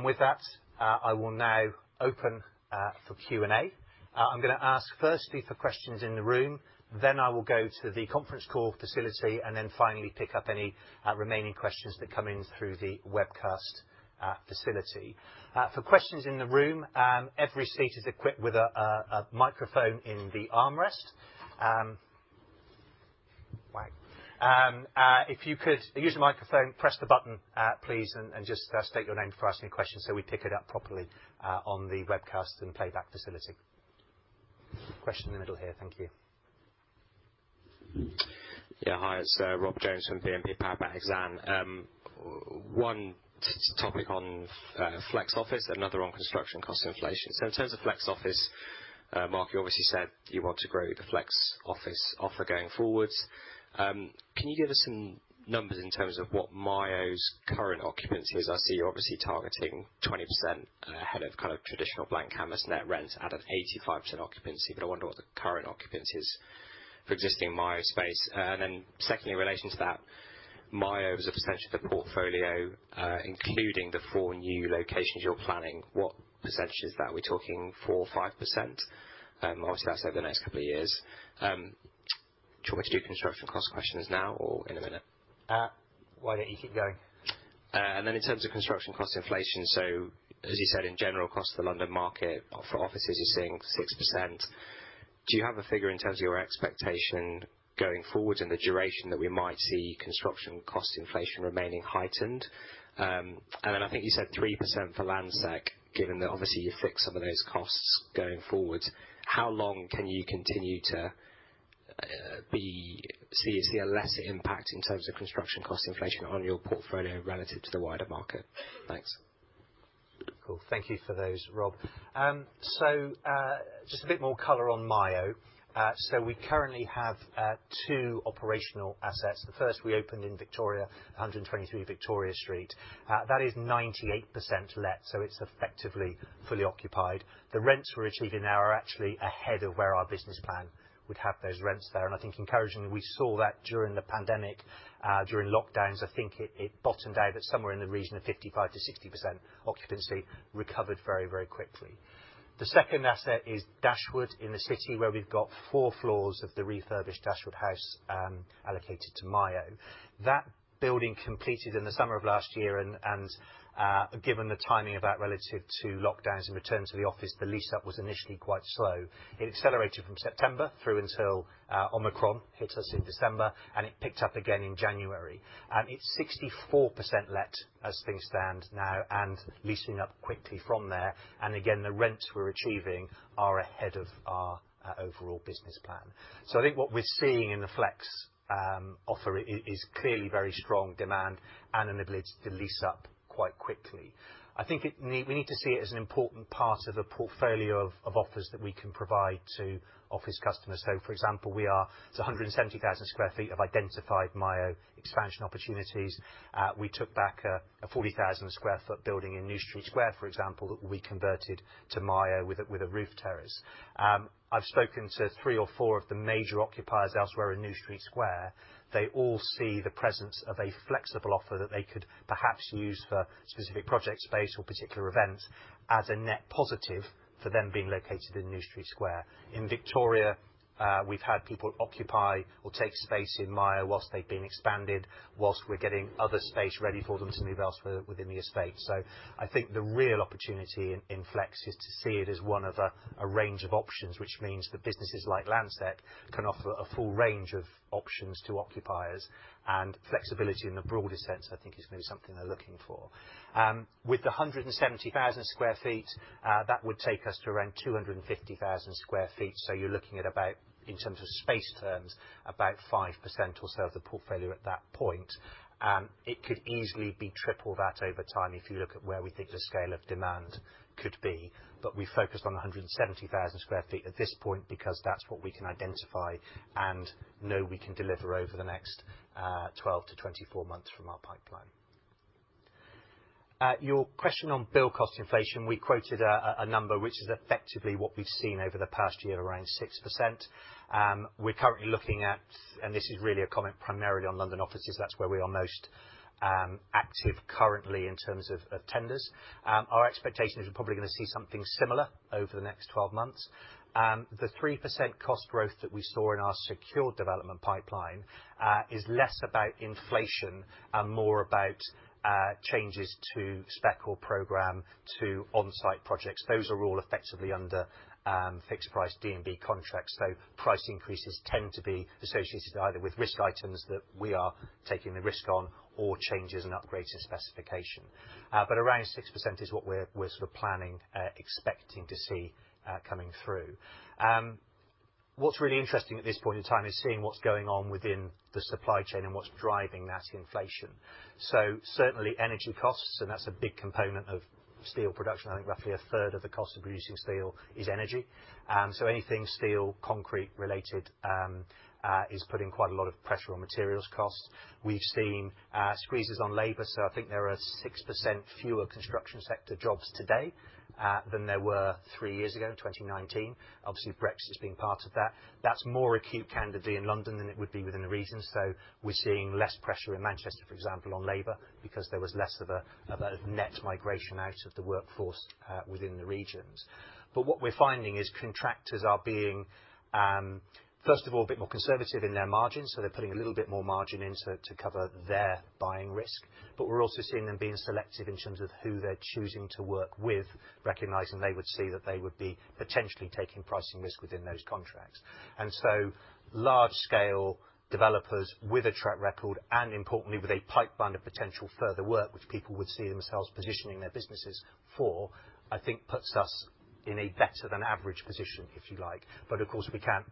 With that, I will now open for Q&A. I'm gonna ask first for questions in the room. Then I will go to the conference call facility and then finally pick up any remaining questions that come in through the webcast facility. For questions in the room, every seat is equipped with a microphone in the armrest. Right. If you could use the microphone, press the button, please, and just state your name for asking questions, so we pick it up properly on the webcast and playback facility. Question in the middle here. Thank you. Hi, it's Rob Jones from BNP Paribas Exane. One topic on flex office, another on construction cost inflation. In terms of flex office, Mark, you obviously said you want to grow the flex office offer going forward. Can you give us some numbers in terms of what MYO's current occupancy is? I see you're obviously targeting 20%, ahead of kind of traditional Blank Canvas net rents at an 85% occupancy, but I wonder what the current occupancy is for existing MYO space. And then secondly, in relation to that, MYO is a percentage of the portfolio, including the four new locations you're planning. What percentage is that? We're talking 4% or 5%? Obviously that's over the next couple of years. Do you want me to do construction cost questions now or in a minute? Why don't you keep going? In terms of construction cost inflation, so as you said, in general, across the London market for offices, you're seeing 6%. Do you have a figure in terms of your expectation going forward and the duration that we might see construction cost inflation remaining heightened? I think you said 3% for Landsec, given that obviously you fixed some of those costs going forward. How long can you continue to see a lesser impact in terms of construction cost inflation on your portfolio relative to the wider market? Thanks. Cool. Thank you for those, Rob. Just a bit more color on MYO. We currently have two operational assets. The first we opened in Victoria, 123 Victoria Street. That is 98% let, so it's effectively fully occupied. The rents we're achieving now are actually ahead of where our business plan would have those rents there. I think encouraging, we saw that during the pandemic, during lockdowns, I think it bottomed out at somewhere in the region of 55%-60% occupancy, recovered very, very quickly. The second asset is Dashwood in the city where we've got four floors of the refurbished Dashwood House allocated to MYO. That building completed in the summer of last year, given the timing of that relative to lockdowns and return to the office, the lease-up was initially quite slow. It accelerated from September through until Omicron hit us in December, and it picked up again in January. It's 64% let as things stand now and leasing up quickly from there. Again, the rents we're achieving are ahead of our overall business plan. I think what we're seeing in the flex offer is clearly very strong demand and an ability to lease up quite quickly. I think we need to see it as an important part of a portfolio of offers that we can provide to office customers. For example, it's 170,000 sq ft of identified MYO expansion opportunities. We took back a 40,000 sq ft building in New Street Square, for example, that will be converted to MYO with a roof terrace. I've spoken to three or four of the major occupiers elsewhere in New Street Square. They all see the presence of a flexible offer that they could perhaps use for specific project space or particular events as a net positive for them being located in New Street Square. In Victoria, we've had people occupy or take space in MYO whilst they've been expanding, whilst we're getting other space ready for them to move elsewhere within the estate. I think the real opportunity in flex is to see it as one of a range of options, which means that businesses like Landsec can offer a full range of options to occupiers. Flexibility in the broader sense, I think is maybe something they're looking for. With the 170,000 sq ft, that would take us to around 250,000 sq ft. You're looking at about, in terms of space terms, about 5% or so of the portfolio at that point. It could easily be triple that over time if you look at where we think the scale of demand could be. We focused on 170,000 sq ft at this point because that's what we can identify and know we can deliver over the next 12-24 months from our pipeline. Your question on build cost inflation, we quoted a number which is effectively what we've seen over the past year, around 6%. We're currently looking at, and this is really a comment primarily on London offices. That's where we are most active currently in terms of tenders. Our expectation is we're probably gonna see something similar over the next 12 months. The 3% cost growth that we saw in our secure development pipeline is less about inflation and more about changes to spec or program to on-site projects. Those are all effectively under fixed price D&B contracts. Price increases tend to be associated either with risk items that we are taking the risk on or changes and upgrades in specification. Around 6% is what we're sort of planning, expecting to see coming through. What's really interesting at this point in time is seeing what's going on within the supply chain and what's driving that inflation. Certainly energy costs, and that's a big component of steel production. I think roughly a third of the cost of producing steel is energy. Anything steel, concrete related, is putting quite a lot of pressure on materials costs. We've seen squeezes on labor, so I think there are 6% fewer construction sector jobs today, than there were three years ago in 2019. Obviously, Brexit has been part of that. That's more acute candidly in London than it would be within the region. We're seeing less pressure in Manchester, for example, on labor because there was less of a net migration out of the workforce within the regions. What we're finding is contractors are being first of all a bit more conservative in their margins, so they're putting a little bit more margin in to cover their buying risk. We're also seeing them being selective in terms of who they're choosing to work with, recognizing they would see that they would be potentially taking pricing risk within those contracts. Large scale developers with a track record and importantly with a pipeline of potential further work which people would see themselves positioning their businesses for, I think puts us in a better than average position, if you like. Of course we can't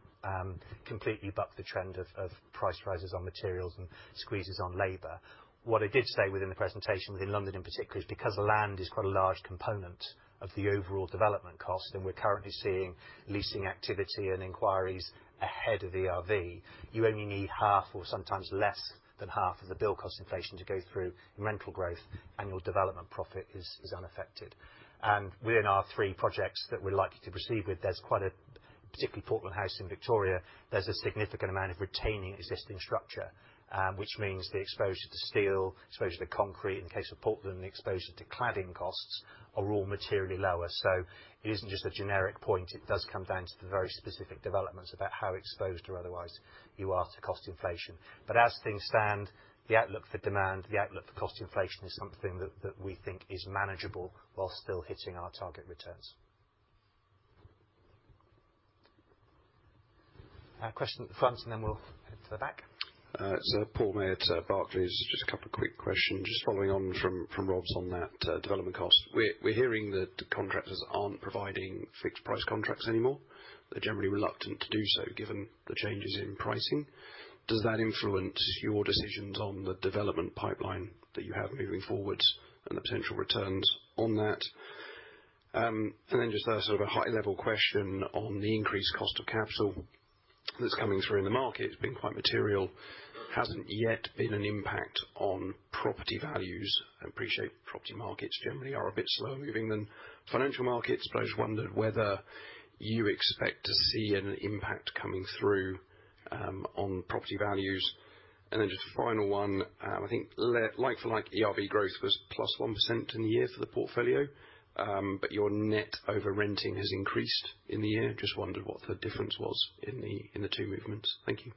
completely buck the trend of price rises on materials and squeezes on labor. What I did say within the presentation within London in particular is because the land is quite a large component of the overall development cost, and we're currently seeing leasing activity and inquiries ahead of ERV, you only need half or sometimes less than half of the build cost inflation to go through rental growth, and your development profit is unaffected. Within our three projects that we're likely to proceed with, there's quite a, particularly Portland House in Victoria, there's a significant amount of retaining existing structure, which means the exposure to steel, exposure to concrete, in the case of Portland, the exposure to cladding costs are all materially lower. It isn't just a generic point. It does come down to the very specific developments about how exposed or otherwise you are to cost inflation. As things stand, the outlook for demand, the outlook for cost inflation is something that we think is manageable while still hitting our target returns. A question at the front, and then we'll head to the back. Paul May at Barclays. Just a couple of quick questions. Just following on from Rob's on that development cost. We're hearing that contractors aren't providing fixed price contracts anymore. They're generally reluctant to do so given the changes in pricing. Does that influence your decisions on the development pipeline that you have moving forward and the potential returns on that? Just a sort of a high level question on the increased cost of capital that's coming through in the market. It's been quite material. Hasn't yet been an impact on property values. I appreciate property markets generally are a bit slower given the financial markets. I just wondered whether you expect to see an impact coming through on property values. Just final one. I think like for like, ERV growth was +1% in the year for the portfolio, but your net over renting has increased in the year. Just wondered what the difference was in the two movements. Thank you.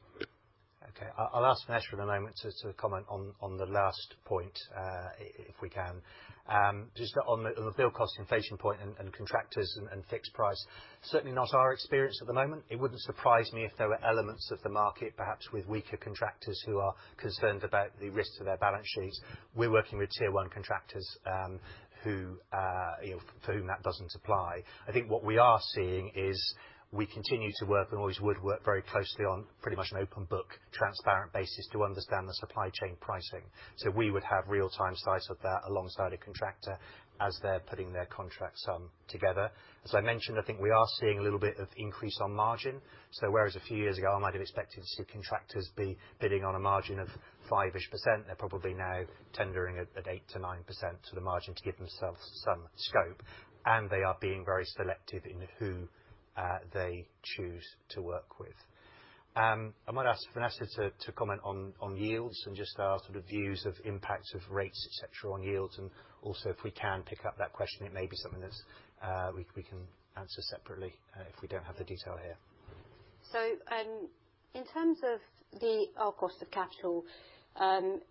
Okay. I'll ask Vanessa in a moment just to comment on the last point, if we can. Just on the build cost inflation point and contractors and fixed price. Certainly not our experience at the moment. It wouldn't surprise me if there were elements of the market, perhaps with weaker contractors who are concerned about the risks of their balance sheets. We're working with tier one contractors, who you know, for whom that doesn't apply. I think what we are seeing is we continue to work and always would work very closely on pretty much an open book, transparent basis to understand the supply chain pricing. We would have real-time sight of that alongside a contractor as they're putting their contracts together. As I mentioned, I think we are seeing a little bit of increase on margin. Whereas a few years ago I might have expected to see contractors be bidding on a margin of 5-ish%, they're probably now tendering at 8%-9% to the margin to give themselves some scope, and they are being very selective in who they choose to work with. I might ask Vanessa to comment on yields and just our sort of views of impacts of rates, et cetera, on yields. Also if we can pick up that question, it may be something that we can answer separately if we don't have the detail here. In terms of our cost of capital,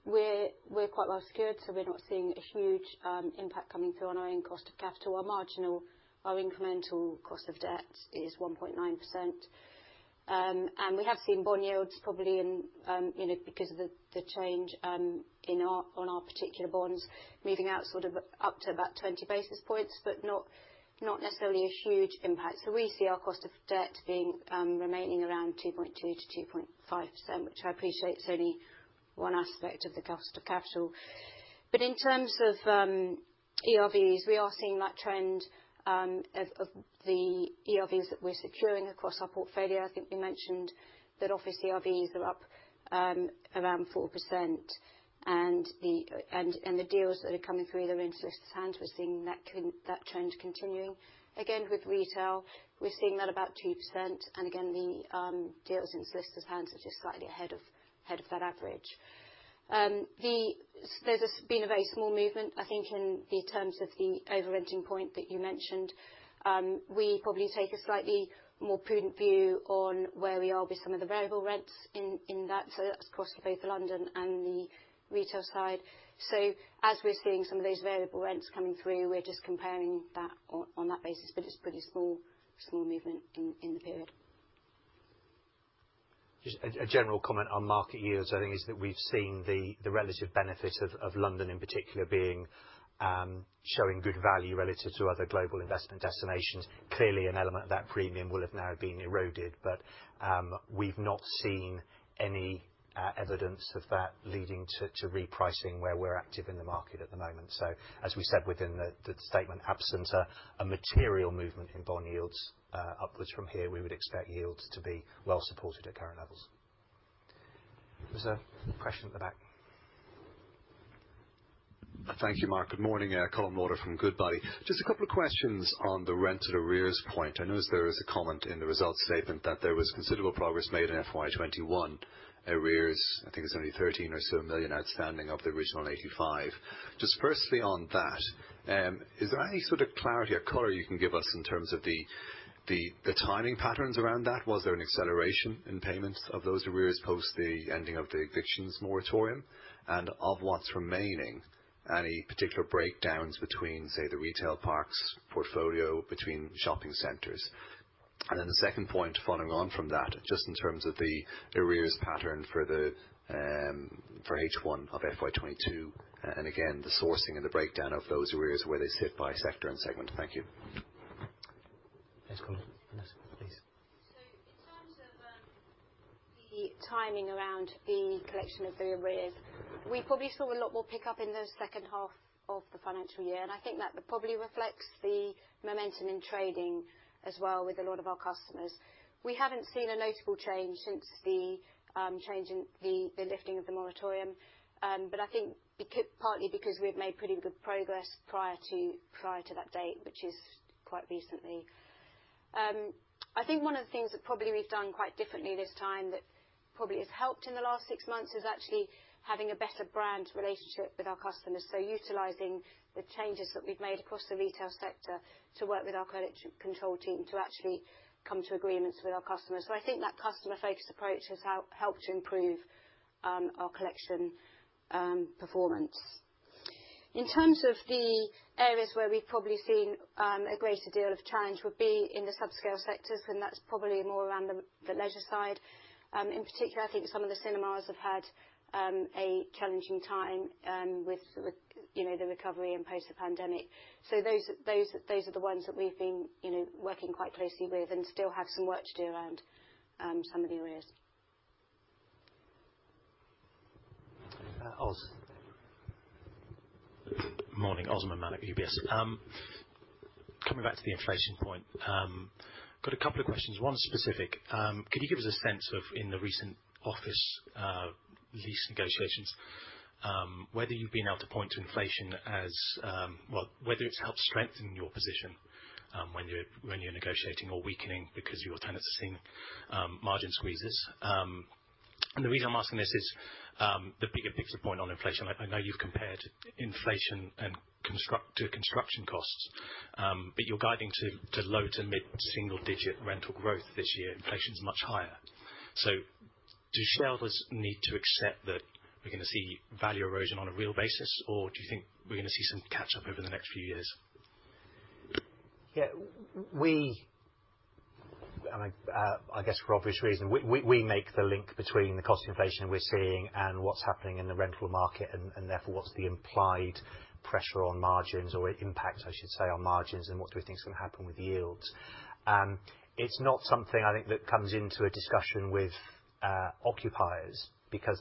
we're quite well secured, so we're not seeing a huge impact coming through on our own cost of capital. Our marginal, our incremental cost of debt is 1.9%. We have seen bond yields probably you know because of the change in our particular bonds moving out sort of up to about 20 basis points, but not necessarily a huge impact. We see our cost of debt remaining around 2.2%-2.5%, which I appreciate is only one aspect of the cost of capital. In terms of ERVs, we are seeing that trend of the ERVs that we're securing across our portfolio. I think we mentioned that office ERVs are up around 4%. The deals that are coming through that are in solicitor's hands, we're seeing that trend continue. Again, with retail, we're seeing that about 2%, and again the deals in solicitor's hands are just slightly ahead of that average. There's been a very small movement, I think, in the terms of the over-renting point that you mentioned. We probably take a slightly more prudent view on where we are with some of the variable rents in that, so that's across both London and the retail side. As we're seeing some of those variable rents coming through, we're just comparing that on that basis, but it's pretty small movement in the period. Just a general comment on market yields, I think, is that we've seen the relative benefit of London in particular being showing good value relative to other global investment destinations. Clearly an element of that premium will have now been eroded, but we've not seen any evidence of that leading to repricing where we're active in the market at the moment. As we said within the statement, absent a material movement in bond yields upwards from here, we would expect yields to be well supported at current levels. There's a question at the back. Thank you, Mark. Good morning. Colm Lauder from Goodbody. Just a couple of questions on the rent and arrears point. I notice there is a comment in the results statement that there was considerable progress made in FY 2021. Arrears, I think, is only 13 million or so outstanding of the original 85 million. Just firstly on that, is there any sort of clarity or color you can give us in terms of the timing patterns around that? Was there an acceleration in payments of those arrears post the ending of the evictions moratorium? Of what's remaining, any particular breakdowns between, say, the retail parks portfolio between shopping centers? The second point following on from that, just in terms of the arrears pattern for H1 of FY 2022, and again, the sourcing and the breakdown of those arrears, where they sit by sector and segment. Thank you. Let's go Vanessa, please. In terms of the timing around the collection of the arrears, we probably saw a lot more pick-up in the second half of the financial year, and I think that probably reflects the momentum in trading as well with a lot of our customers. We haven't seen a notable change since the change in the lifting of the moratorium, but I think partly because we've made pretty good progress prior to that date, which is quite recently. I think one of the things that probably we've done quite differently this time that probably has helped in the last six months is actually having a better brand relationship with our customers. Utilizing the changes that we've made across the retail sector to work with our credit control team to actually come to agreements with our customers. I think that customer-focused approach has helped to improve our collection performance. In terms of the areas where we've probably seen a greater deal of challenge would be in the subscale sectors, and that's probably more around the leisure side. In particular, I think some of the cinemas have had a challenging time with the recovery, you know, and post the pandemic. Those are the ones that we've been working quite closely with and still have some work to do around some of the arrears. Os. Morning. Osmaan Malik at UBS. Coming back to the inflation point, got a couple of questions, one specific. Could you give us a sense of, in the recent office lease negotiations, whether you've been able to point to inflation as, well, whether it's helped strengthen your position when you're negotiating or weakening because your tenants are seeing margin squeezes? The reason I'm asking this is, the bigger picture point on inflation. I know you've compared inflation and construction costs, but you're guiding to low- to mid-single-digit rental growth this year. Inflation's much higher. Do shareholders need to accept that we're gonna see value erosion on a real basis, or do you think we're gonna see some catch-up over the next few years? Yeah. We, and I guess for obvious reasons, we make the link between the cost inflation we're seeing and what's happening in the rental market and therefore what's the implied pressure on margins or impact, I should say, on margins and what we think is gonna happen with yields. It's not something I think that comes into a discussion with occupiers because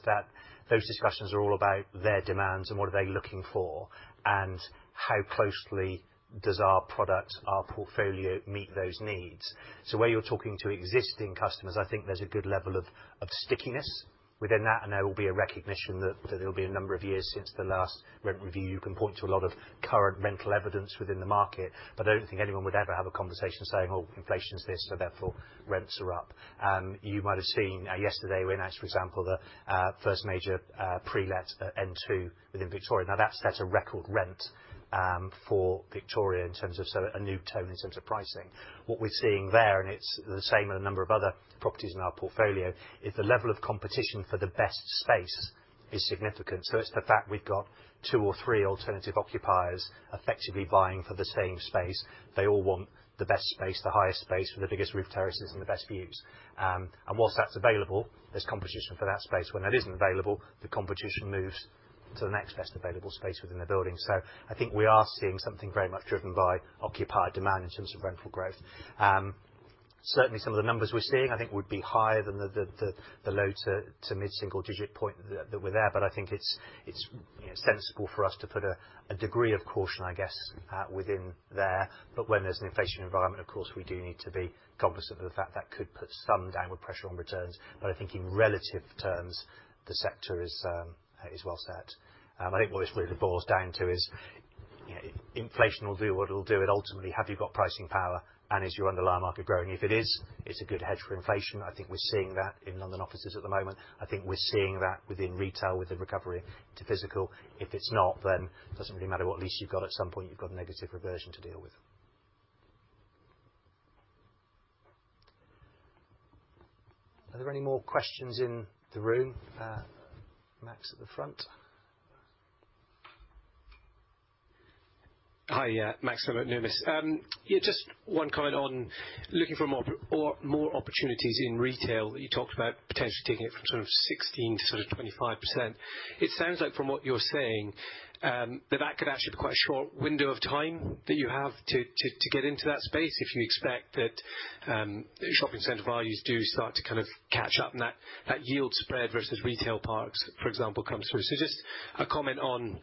those discussions are all about their demands and what are they looking for and how closely does our product, our portfolio meet those needs. Where you're talking to existing customers, I think there's a good level of stickiness within that, and there will be a recognition that it'll be a number of years since the last rent review. You can point to a lot of current rental evidence within the market. I don't think anyone would ever have a conversation saying, "Well, inflation's this, so therefore rents are up." You might have seen yesterday we announced, for example, the first major pre-let N2 within Victoria. Now, that set a record rent for Victoria in terms of, so a new tone in terms of pricing. What we're seeing there, and it's the same with a number of other properties in our portfolio, is the level of competition for the best space is significant. So it's the fact we've got two or three alternative occupiers effectively vying for the same space. They all want the best space, the highest space with the biggest roof terraces and the best views. And while that's available, there's competition for that space. When that isn't available, the competition moves to the next best available space within the building. I think we are seeing something very much driven by occupier demand in terms of rental growth. Certainly some of the numbers we're seeing, I think would be higher than the low to mid-single-digit point that were there. I think it's, you know, sensible for us to put a degree of caution, I guess, within there. When there's an inflation environment, of course, we do need to be cognizant of the fact that could put some downward pressure on returns. I think in relative terms, the sector is well set. I think what this really boils down to is, you know, inflation will do what it'll do, and ultimately have you got pricing power, and is your underlying market growing? If it is, it's a good hedge for inflation. I think we're seeing that in London offices at the moment. I think we're seeing that within retail with the recovery to physical. If it's not, then doesn't really matter what lease you've got, at some point, you've got negative reversion to deal with. Are there any more questions in the room? Max at the front. Hi, Max from Numis. Yeah, just one comment on looking for more or more opportunities in retail that you talked about potentially taking it from sort of 16 to sort of 25%. It sounds like from what you're saying, that could actually be quite a short window of time that you have to get into that space, if you expect that shopping center values do start to kind of catch up, and that yield spread versus retail parks, for example, comes through. Just a comment on,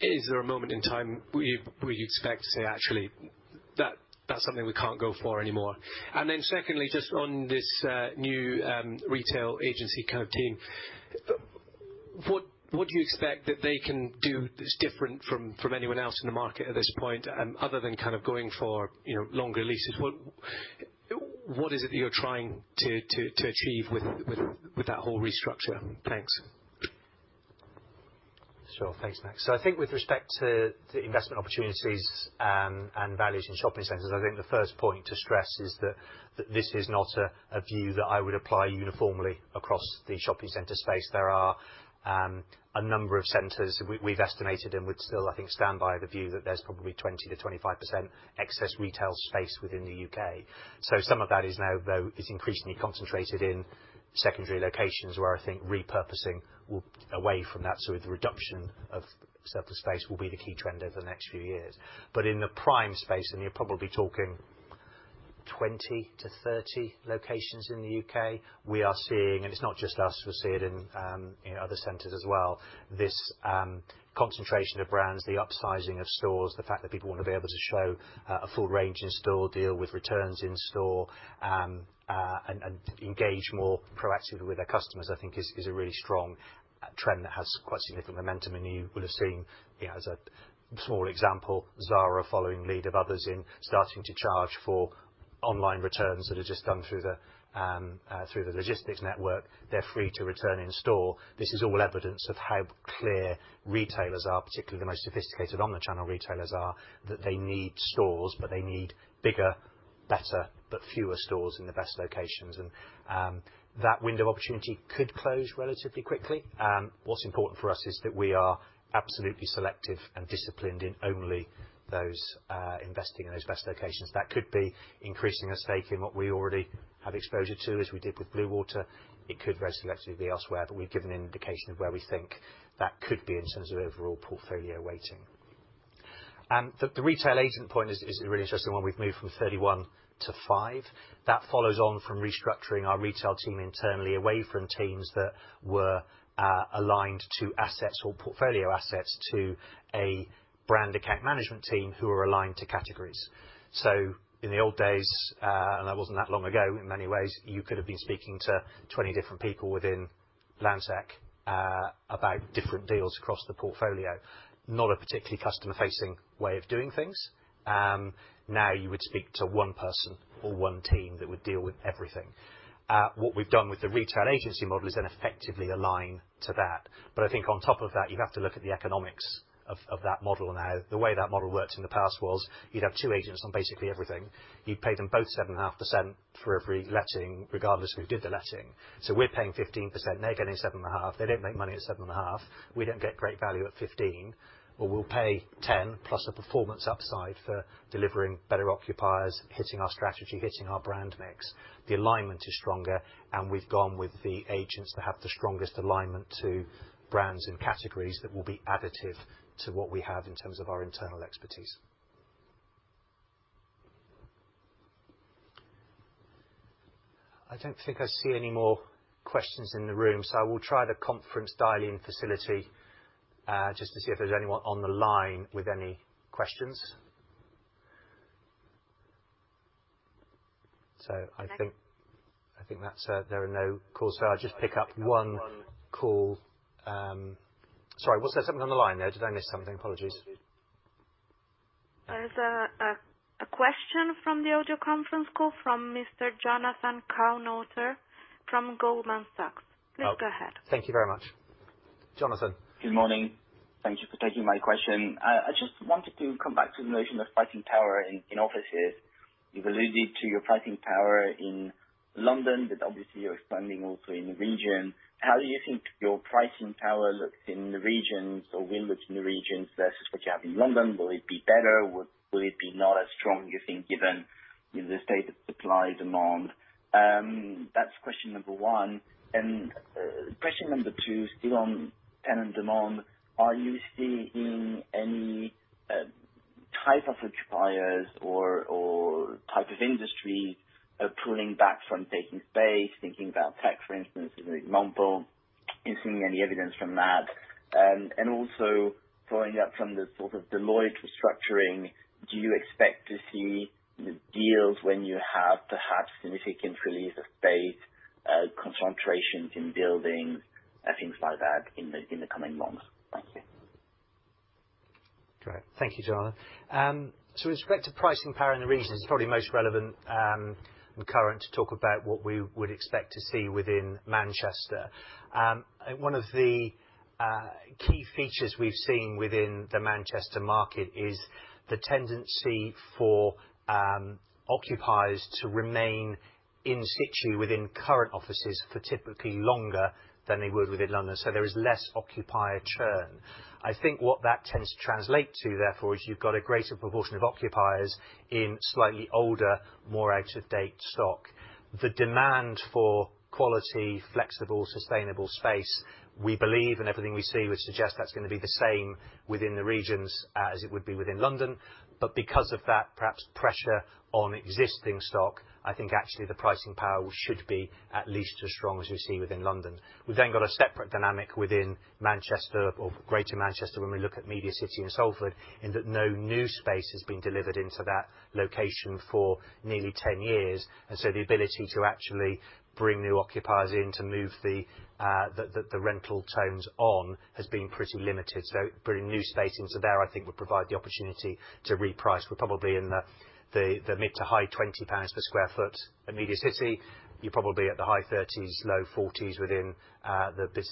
is there a moment in time where you'd expect to say, "Actually, that's something we can't go for anymore?" Secondly, just on this new retail agency kind of team, what do you expect that they can do that's different from anyone else in the market at this point, other than kind of going for, you know, longer leases? What is it that you're trying to achieve with that whole restructure? Thanks. Sure. Thanks, Max. I think with respect to the investment opportunities, and values in shopping centers, I think the first point to stress is that this is not a view that I would apply uniformly across the shopping center space. There are a number of centers we've estimated and would still, I think, stand by the view that there's probably 20%-25% excess retail space within the U.K. Some of that is now, though, increasingly concentrated in secondary locations, where I think repurposing away from that sort of reduction of surplus space will be the key trend over the next few years. In the prime space, and you're probably talking 20-30 locations in the U.K., we are seeing, and it's not just us, we're seeing it in, you know, other centers as well, this concentration of brands, the upsizing of stores, the fact that people wanna be able to show a full range in store, deal with returns in store, and engage more proactively with their customers, I think is a really strong trend that has quite significant momentum. You would have seen, you know, as a small example, Zara following lead of others in starting to charge for online returns that are just done through the through the logistics network. They're free to return in store. This is all evidence of how clear retailers are, particularly the most sophisticated online channel retailers are, that they need stores, but they need bigger, better, but fewer stores in the best locations. That window of opportunity could close relatively quickly. What's important for us is that we are absolutely selective and disciplined in only those investing in those best locations. That could be increasing our stake in what we already have exposure to, as we did with Bluewater. It could very selectively be elsewhere, but we've given an indication of where we think that could be in terms of overall portfolio weighting. The retail agent point is a really interesting one. We've moved from 31% to 5%. That follows on from restructuring our retail team internally away from teams that were aligned to assets or portfolio assets to a brand account management team who are aligned to categories. In the old days, and that wasn't that long ago, in many ways, you could have been speaking to 20 different people within Landsec about different deals across the portfolio. Not a particularly customer-facing way of doing things. Now you would speak to one person or one team that would deal with everything. What we've done with the retail agency model is then effectively align to that. I think on top of that, you have to look at the economics of that model now. The way that model worked in the past was you'd have two agents on basically everything. You'd pay them both 7.5% for every letting, regardless of who did the letting. We're paying 15%, they're getting 7.5%. They don't make money at 7.5%. We don't get great value at 15%. We'll pay 10% plus a performance upside for delivering better occupiers, hitting our strategy, hitting our brand mix. The alignment is stronger, and we've gone with the agents that have the strongest alignment to brands and categories that will be additive to what we have in terms of our internal expertise. I don't think I see any more questions in the room, so I will try the conference dial-in facility, just to see if there's anyone on the line with any questions. Max? I think that's it. There are no calls, so I'll just pick up one call. Sorry, was there something on the line there? Did I miss something? Apologies. There's a question from the audio conference call from Mr. Jonathan Kownator from Goldman Sachs. Oh. Please go ahead. Thank you very much, Jonathan. Good morning. Thank you for taking my question. I just wanted to come back to the notion of pricing power in offices. You've alluded to your pricing power in London, but obviously you're expanding also in the region. How do you think your pricing power looks in the regions or will look in the regions versus what you have in London? Will it be better? Will it be not as strong, you think, given, you know, the state of supply, demand? That's question number one. Question number two, still on tenant demand, are you seeing any type of occupiers or type of industry pulling back from taking space? Thinking about tech, for instance, as a example. You seeing any evidence from that? Also following up from the sort of Deloitte restructuring, do you expect to see deals when you have perhaps significant release of space concentrations in buildings and things like that in the coming months? Thank you. Great. Thank you, Jon. With respect to pricing power in the regions, it's probably most relevant and current to talk about what we would expect to see within Manchester. One of the key features we've seen within the Manchester market is the tendency for occupiers to remain in situ within current offices for typically longer than they would within London. There is less occupier churn. I think what that tends to translate to therefore is you've got a greater proportion of occupiers in slightly older, more out-of-date stock. The demand for quality, flexible, sustainable space, we believe, and everything we see would suggest that's gonna be the same within the regions as it would be within London. Because of that, perhaps pressure on existing stock. I think actually the pricing power should be at least as strong as we see within London. We've then got a separate dynamic within Manchester or Greater Manchester when we look at MediaCity in Salford, in that no new space has been delivered into that location for nearly 10 years. The ability to actually bring new occupiers in to move the rental tones on has been pretty limited. Bringing new space into there, I think would provide the opportunity to reprice. We're probably in the mid- to high-20s GBP per sq ft at MediaCity. You're probably at the high 30s, low 40s GBP within the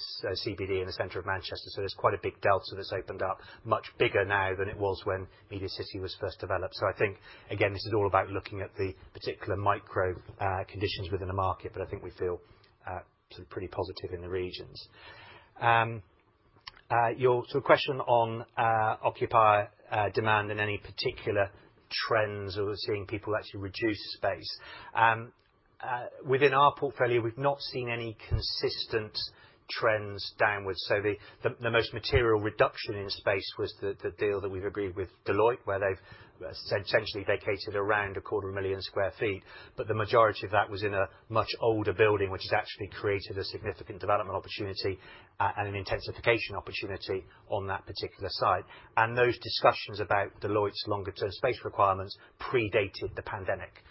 CBD in the center of Manchester. There's quite a big delta that's opened up, much bigger now than it was when MediaCity was first developed. I think, again, this is all about looking at the particular micro conditions within a market. I think we feel pretty positive in the regions. Question on occupier demand in any particular trends, or we're seeing people actually reduce space. Within our portfolio, we've not seen any consistent trends downwards. The most material reduction in space was the deal that we've agreed with Deloitte, where they've essentially vacated around 250,000 sq ft, but the majority of that was in a much older building, which has actually created a significant development opportunity and an intensification opportunity on that particular site. Those discussions about Deloitte's longer-term space requirements predated the pandemic.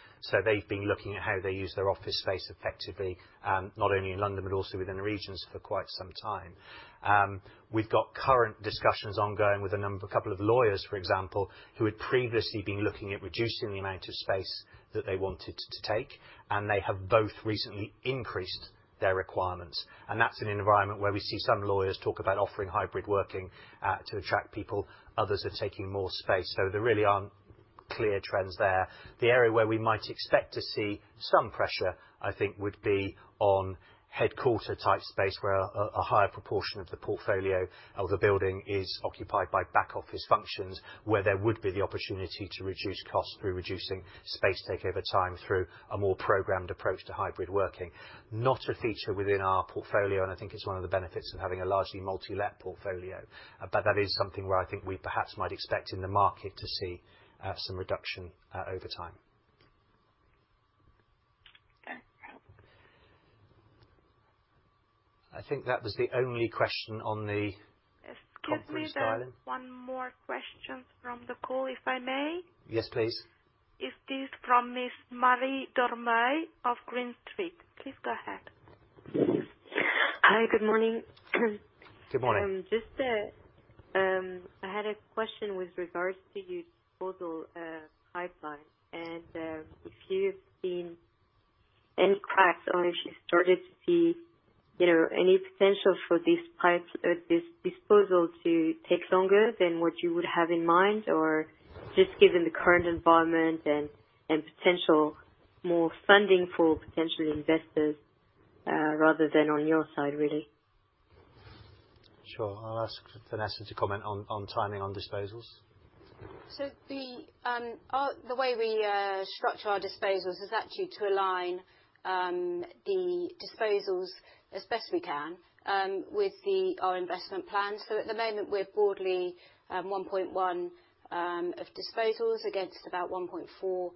They've been looking at how they use their office space effectively, not only in London, but also within the regions for quite some time. We've got current discussions ongoing with a number, a couple of lawyers, for example, who had previously been looking at reducing the amount of space that they wanted to take, and they have both recently increased their requirements. That's an environment where we see some lawyers talk about offering hybrid working to attract people. Others are taking more space. There really aren't clear trends there. The area where we might expect to see some pressure, I think, would be on headquarter type space, where a higher proportion of the portfolio of the building is occupied by back office functions, where there would be the opportunity to reduce costs through reducing space takeover time through a more programmed approach to hybrid working. Not a feature within our portfolio, and I think it's one of the benefits of having a largely multi-let portfolio. That is something where I think we perhaps might expect in the market to see some reduction over time. Okay, great. I think that was the only question on the conference dial-in. Excuse me, there's one more question from the call, if I may. Yes, please. It is from Ms. Marie Dormeuil of Green Street. Please go ahead. Hi, good morning. Good morning. Just, I had a question with regards to your disposal pipeline, and if you've seen any cracks or if you've started to see, you know, any potential for this disposal to take longer than what you would have in mind, or just given the current environment and potential more funding for potential investors, rather than on your side, really? Sure. I'll ask Vanessa to comment on timing on disposals. The way we structure our disposals is actually to align the disposals as best we can with our investment plan. At the moment, we're broadly at 1.1 billion of disposals against about 1.4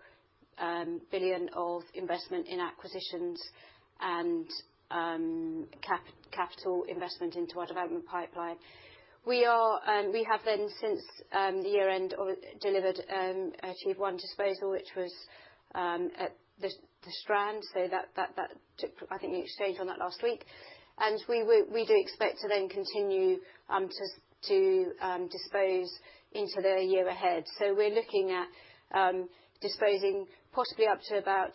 billion of investment in acquisitions and CapEx into our development pipeline. We have then since the year end achieved one disposal, which was at the Strand. That took. I think it exchanged on that last week. We do expect to then continue to dispose into the year ahead. We're looking at disposing possibly up to about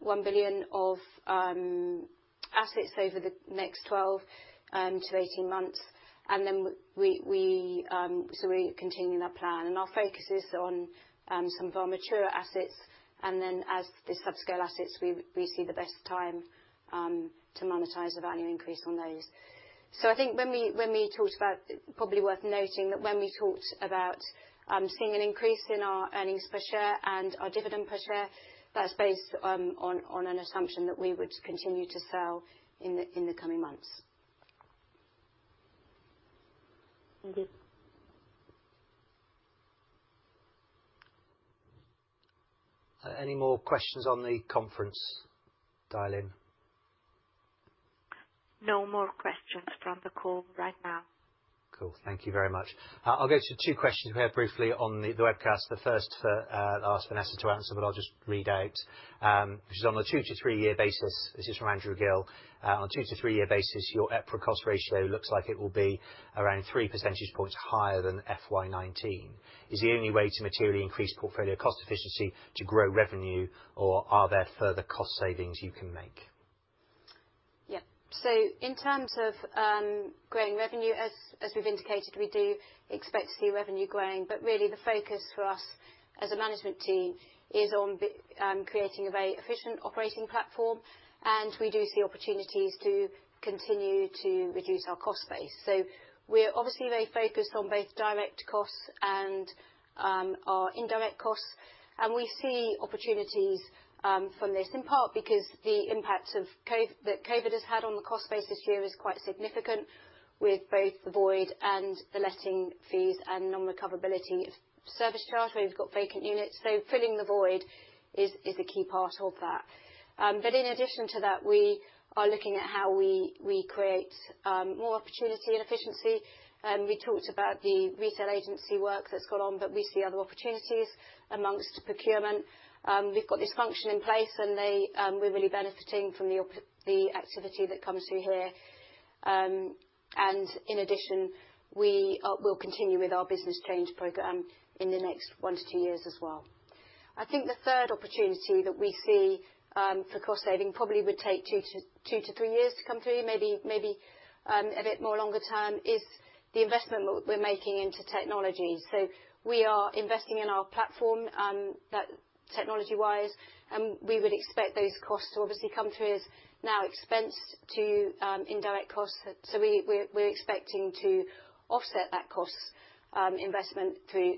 1 billion of assets over the next 12-18 months. We're continuing that plan. Our focus is on some of our mature assets. Then as the subscale assets, we see the best time to monetize the value increase on those. I think when we talked about, probably worth noting that when we talked about seeing an increase in our earnings per share and our dividend per share, that's based on an assumption that we would continue to sell in the coming months. Thank you. Any more questions on the conference dial-in? No more questions from the call right now. Cool. Thank you very much. I'll go to two questions we have briefly on the webcast. The first, I'll ask Vanessa to answer, but I'll just read out. Which is on a two to three-year basis. This is from Andrew Gill. On a two to three-year basis, your EPRA cost ratio looks like it will be around 3 percentage points higher than FY 2019. Is the only way to materially increase portfolio cost efficiency to grow revenue, or are there further cost savings you can make? Yeah. In terms of growing revenue, as we've indicated, we do expect to see revenue growing. Really the focus for us as a management team is on creating a very efficient operating platform, and we do see opportunities to continue to reduce our cost base. We're obviously very focused on both direct costs and our indirect costs. We see opportunities from this in part because the impact of COVID that COVID has had on the cost base this year is quite significant with both the void and the letting fees and non-recoverability of service charges where we've got vacant units. Filling the void is a key part of that. In addition to that, we are looking at how we create more opportunity and efficiency. We talked about the retail agency work that's gone on, but we see other opportunities among procurement. We've got this function in place and they're really benefiting from the activity that comes through here. In addition, we will continue with our business change program in the next one to two years as well. I think the third opportunity that we see for cost saving probably would take two to three years to come through, maybe a bit more longer term, is the investment we're making into technology. We are investing in our platform, technology-wise, and we would expect those costs to obviously come through as now expensed to indirect costs. We're expecting to offset that cost investment through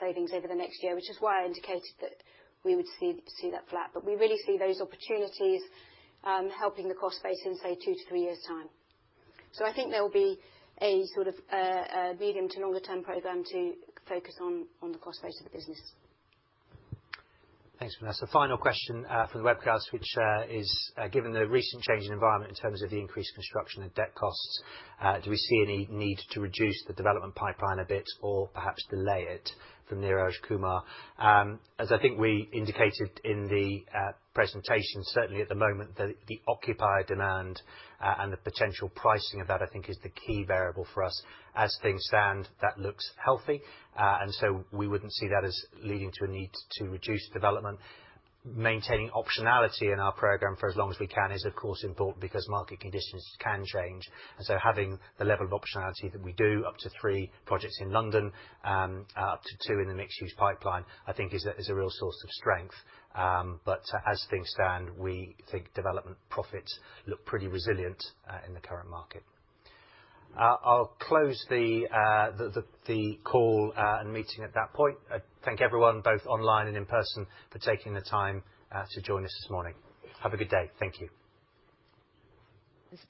savings over the next year, which is why I indicated that we would see that flat. But we really see those opportunities helping the cost base in, say, two to three years' time. I think there'll be a sort of a medium to longer term program to focus on the cost base of the business. Thanks, Vanessa. Final question from the webcast, which is given the recent change in environment in terms of the increased construction and debt costs, do we see any need to reduce the development pipeline a bit or perhaps delay it from Neeraj Kumar? As I think we indicated in the presentation, certainly at the moment, the occupier demand and the potential pricing of that, I think is the key variable for us. As things stand, that looks healthy. We wouldn't see that as leading to a need to reduce development. Maintaining optionality in our program for as long as we can is of course important because market conditions can change. Having the level of optionality that we do, up to three projects in London, up to two in the mixed-use pipeline, I think is a real source of strength. As things stand, we think development profits look pretty resilient in the current market. I'll close the call and meeting at that point. I thank everyone both online and in person for taking the time to join us this morning. Have a good day. Thank you. Thank you.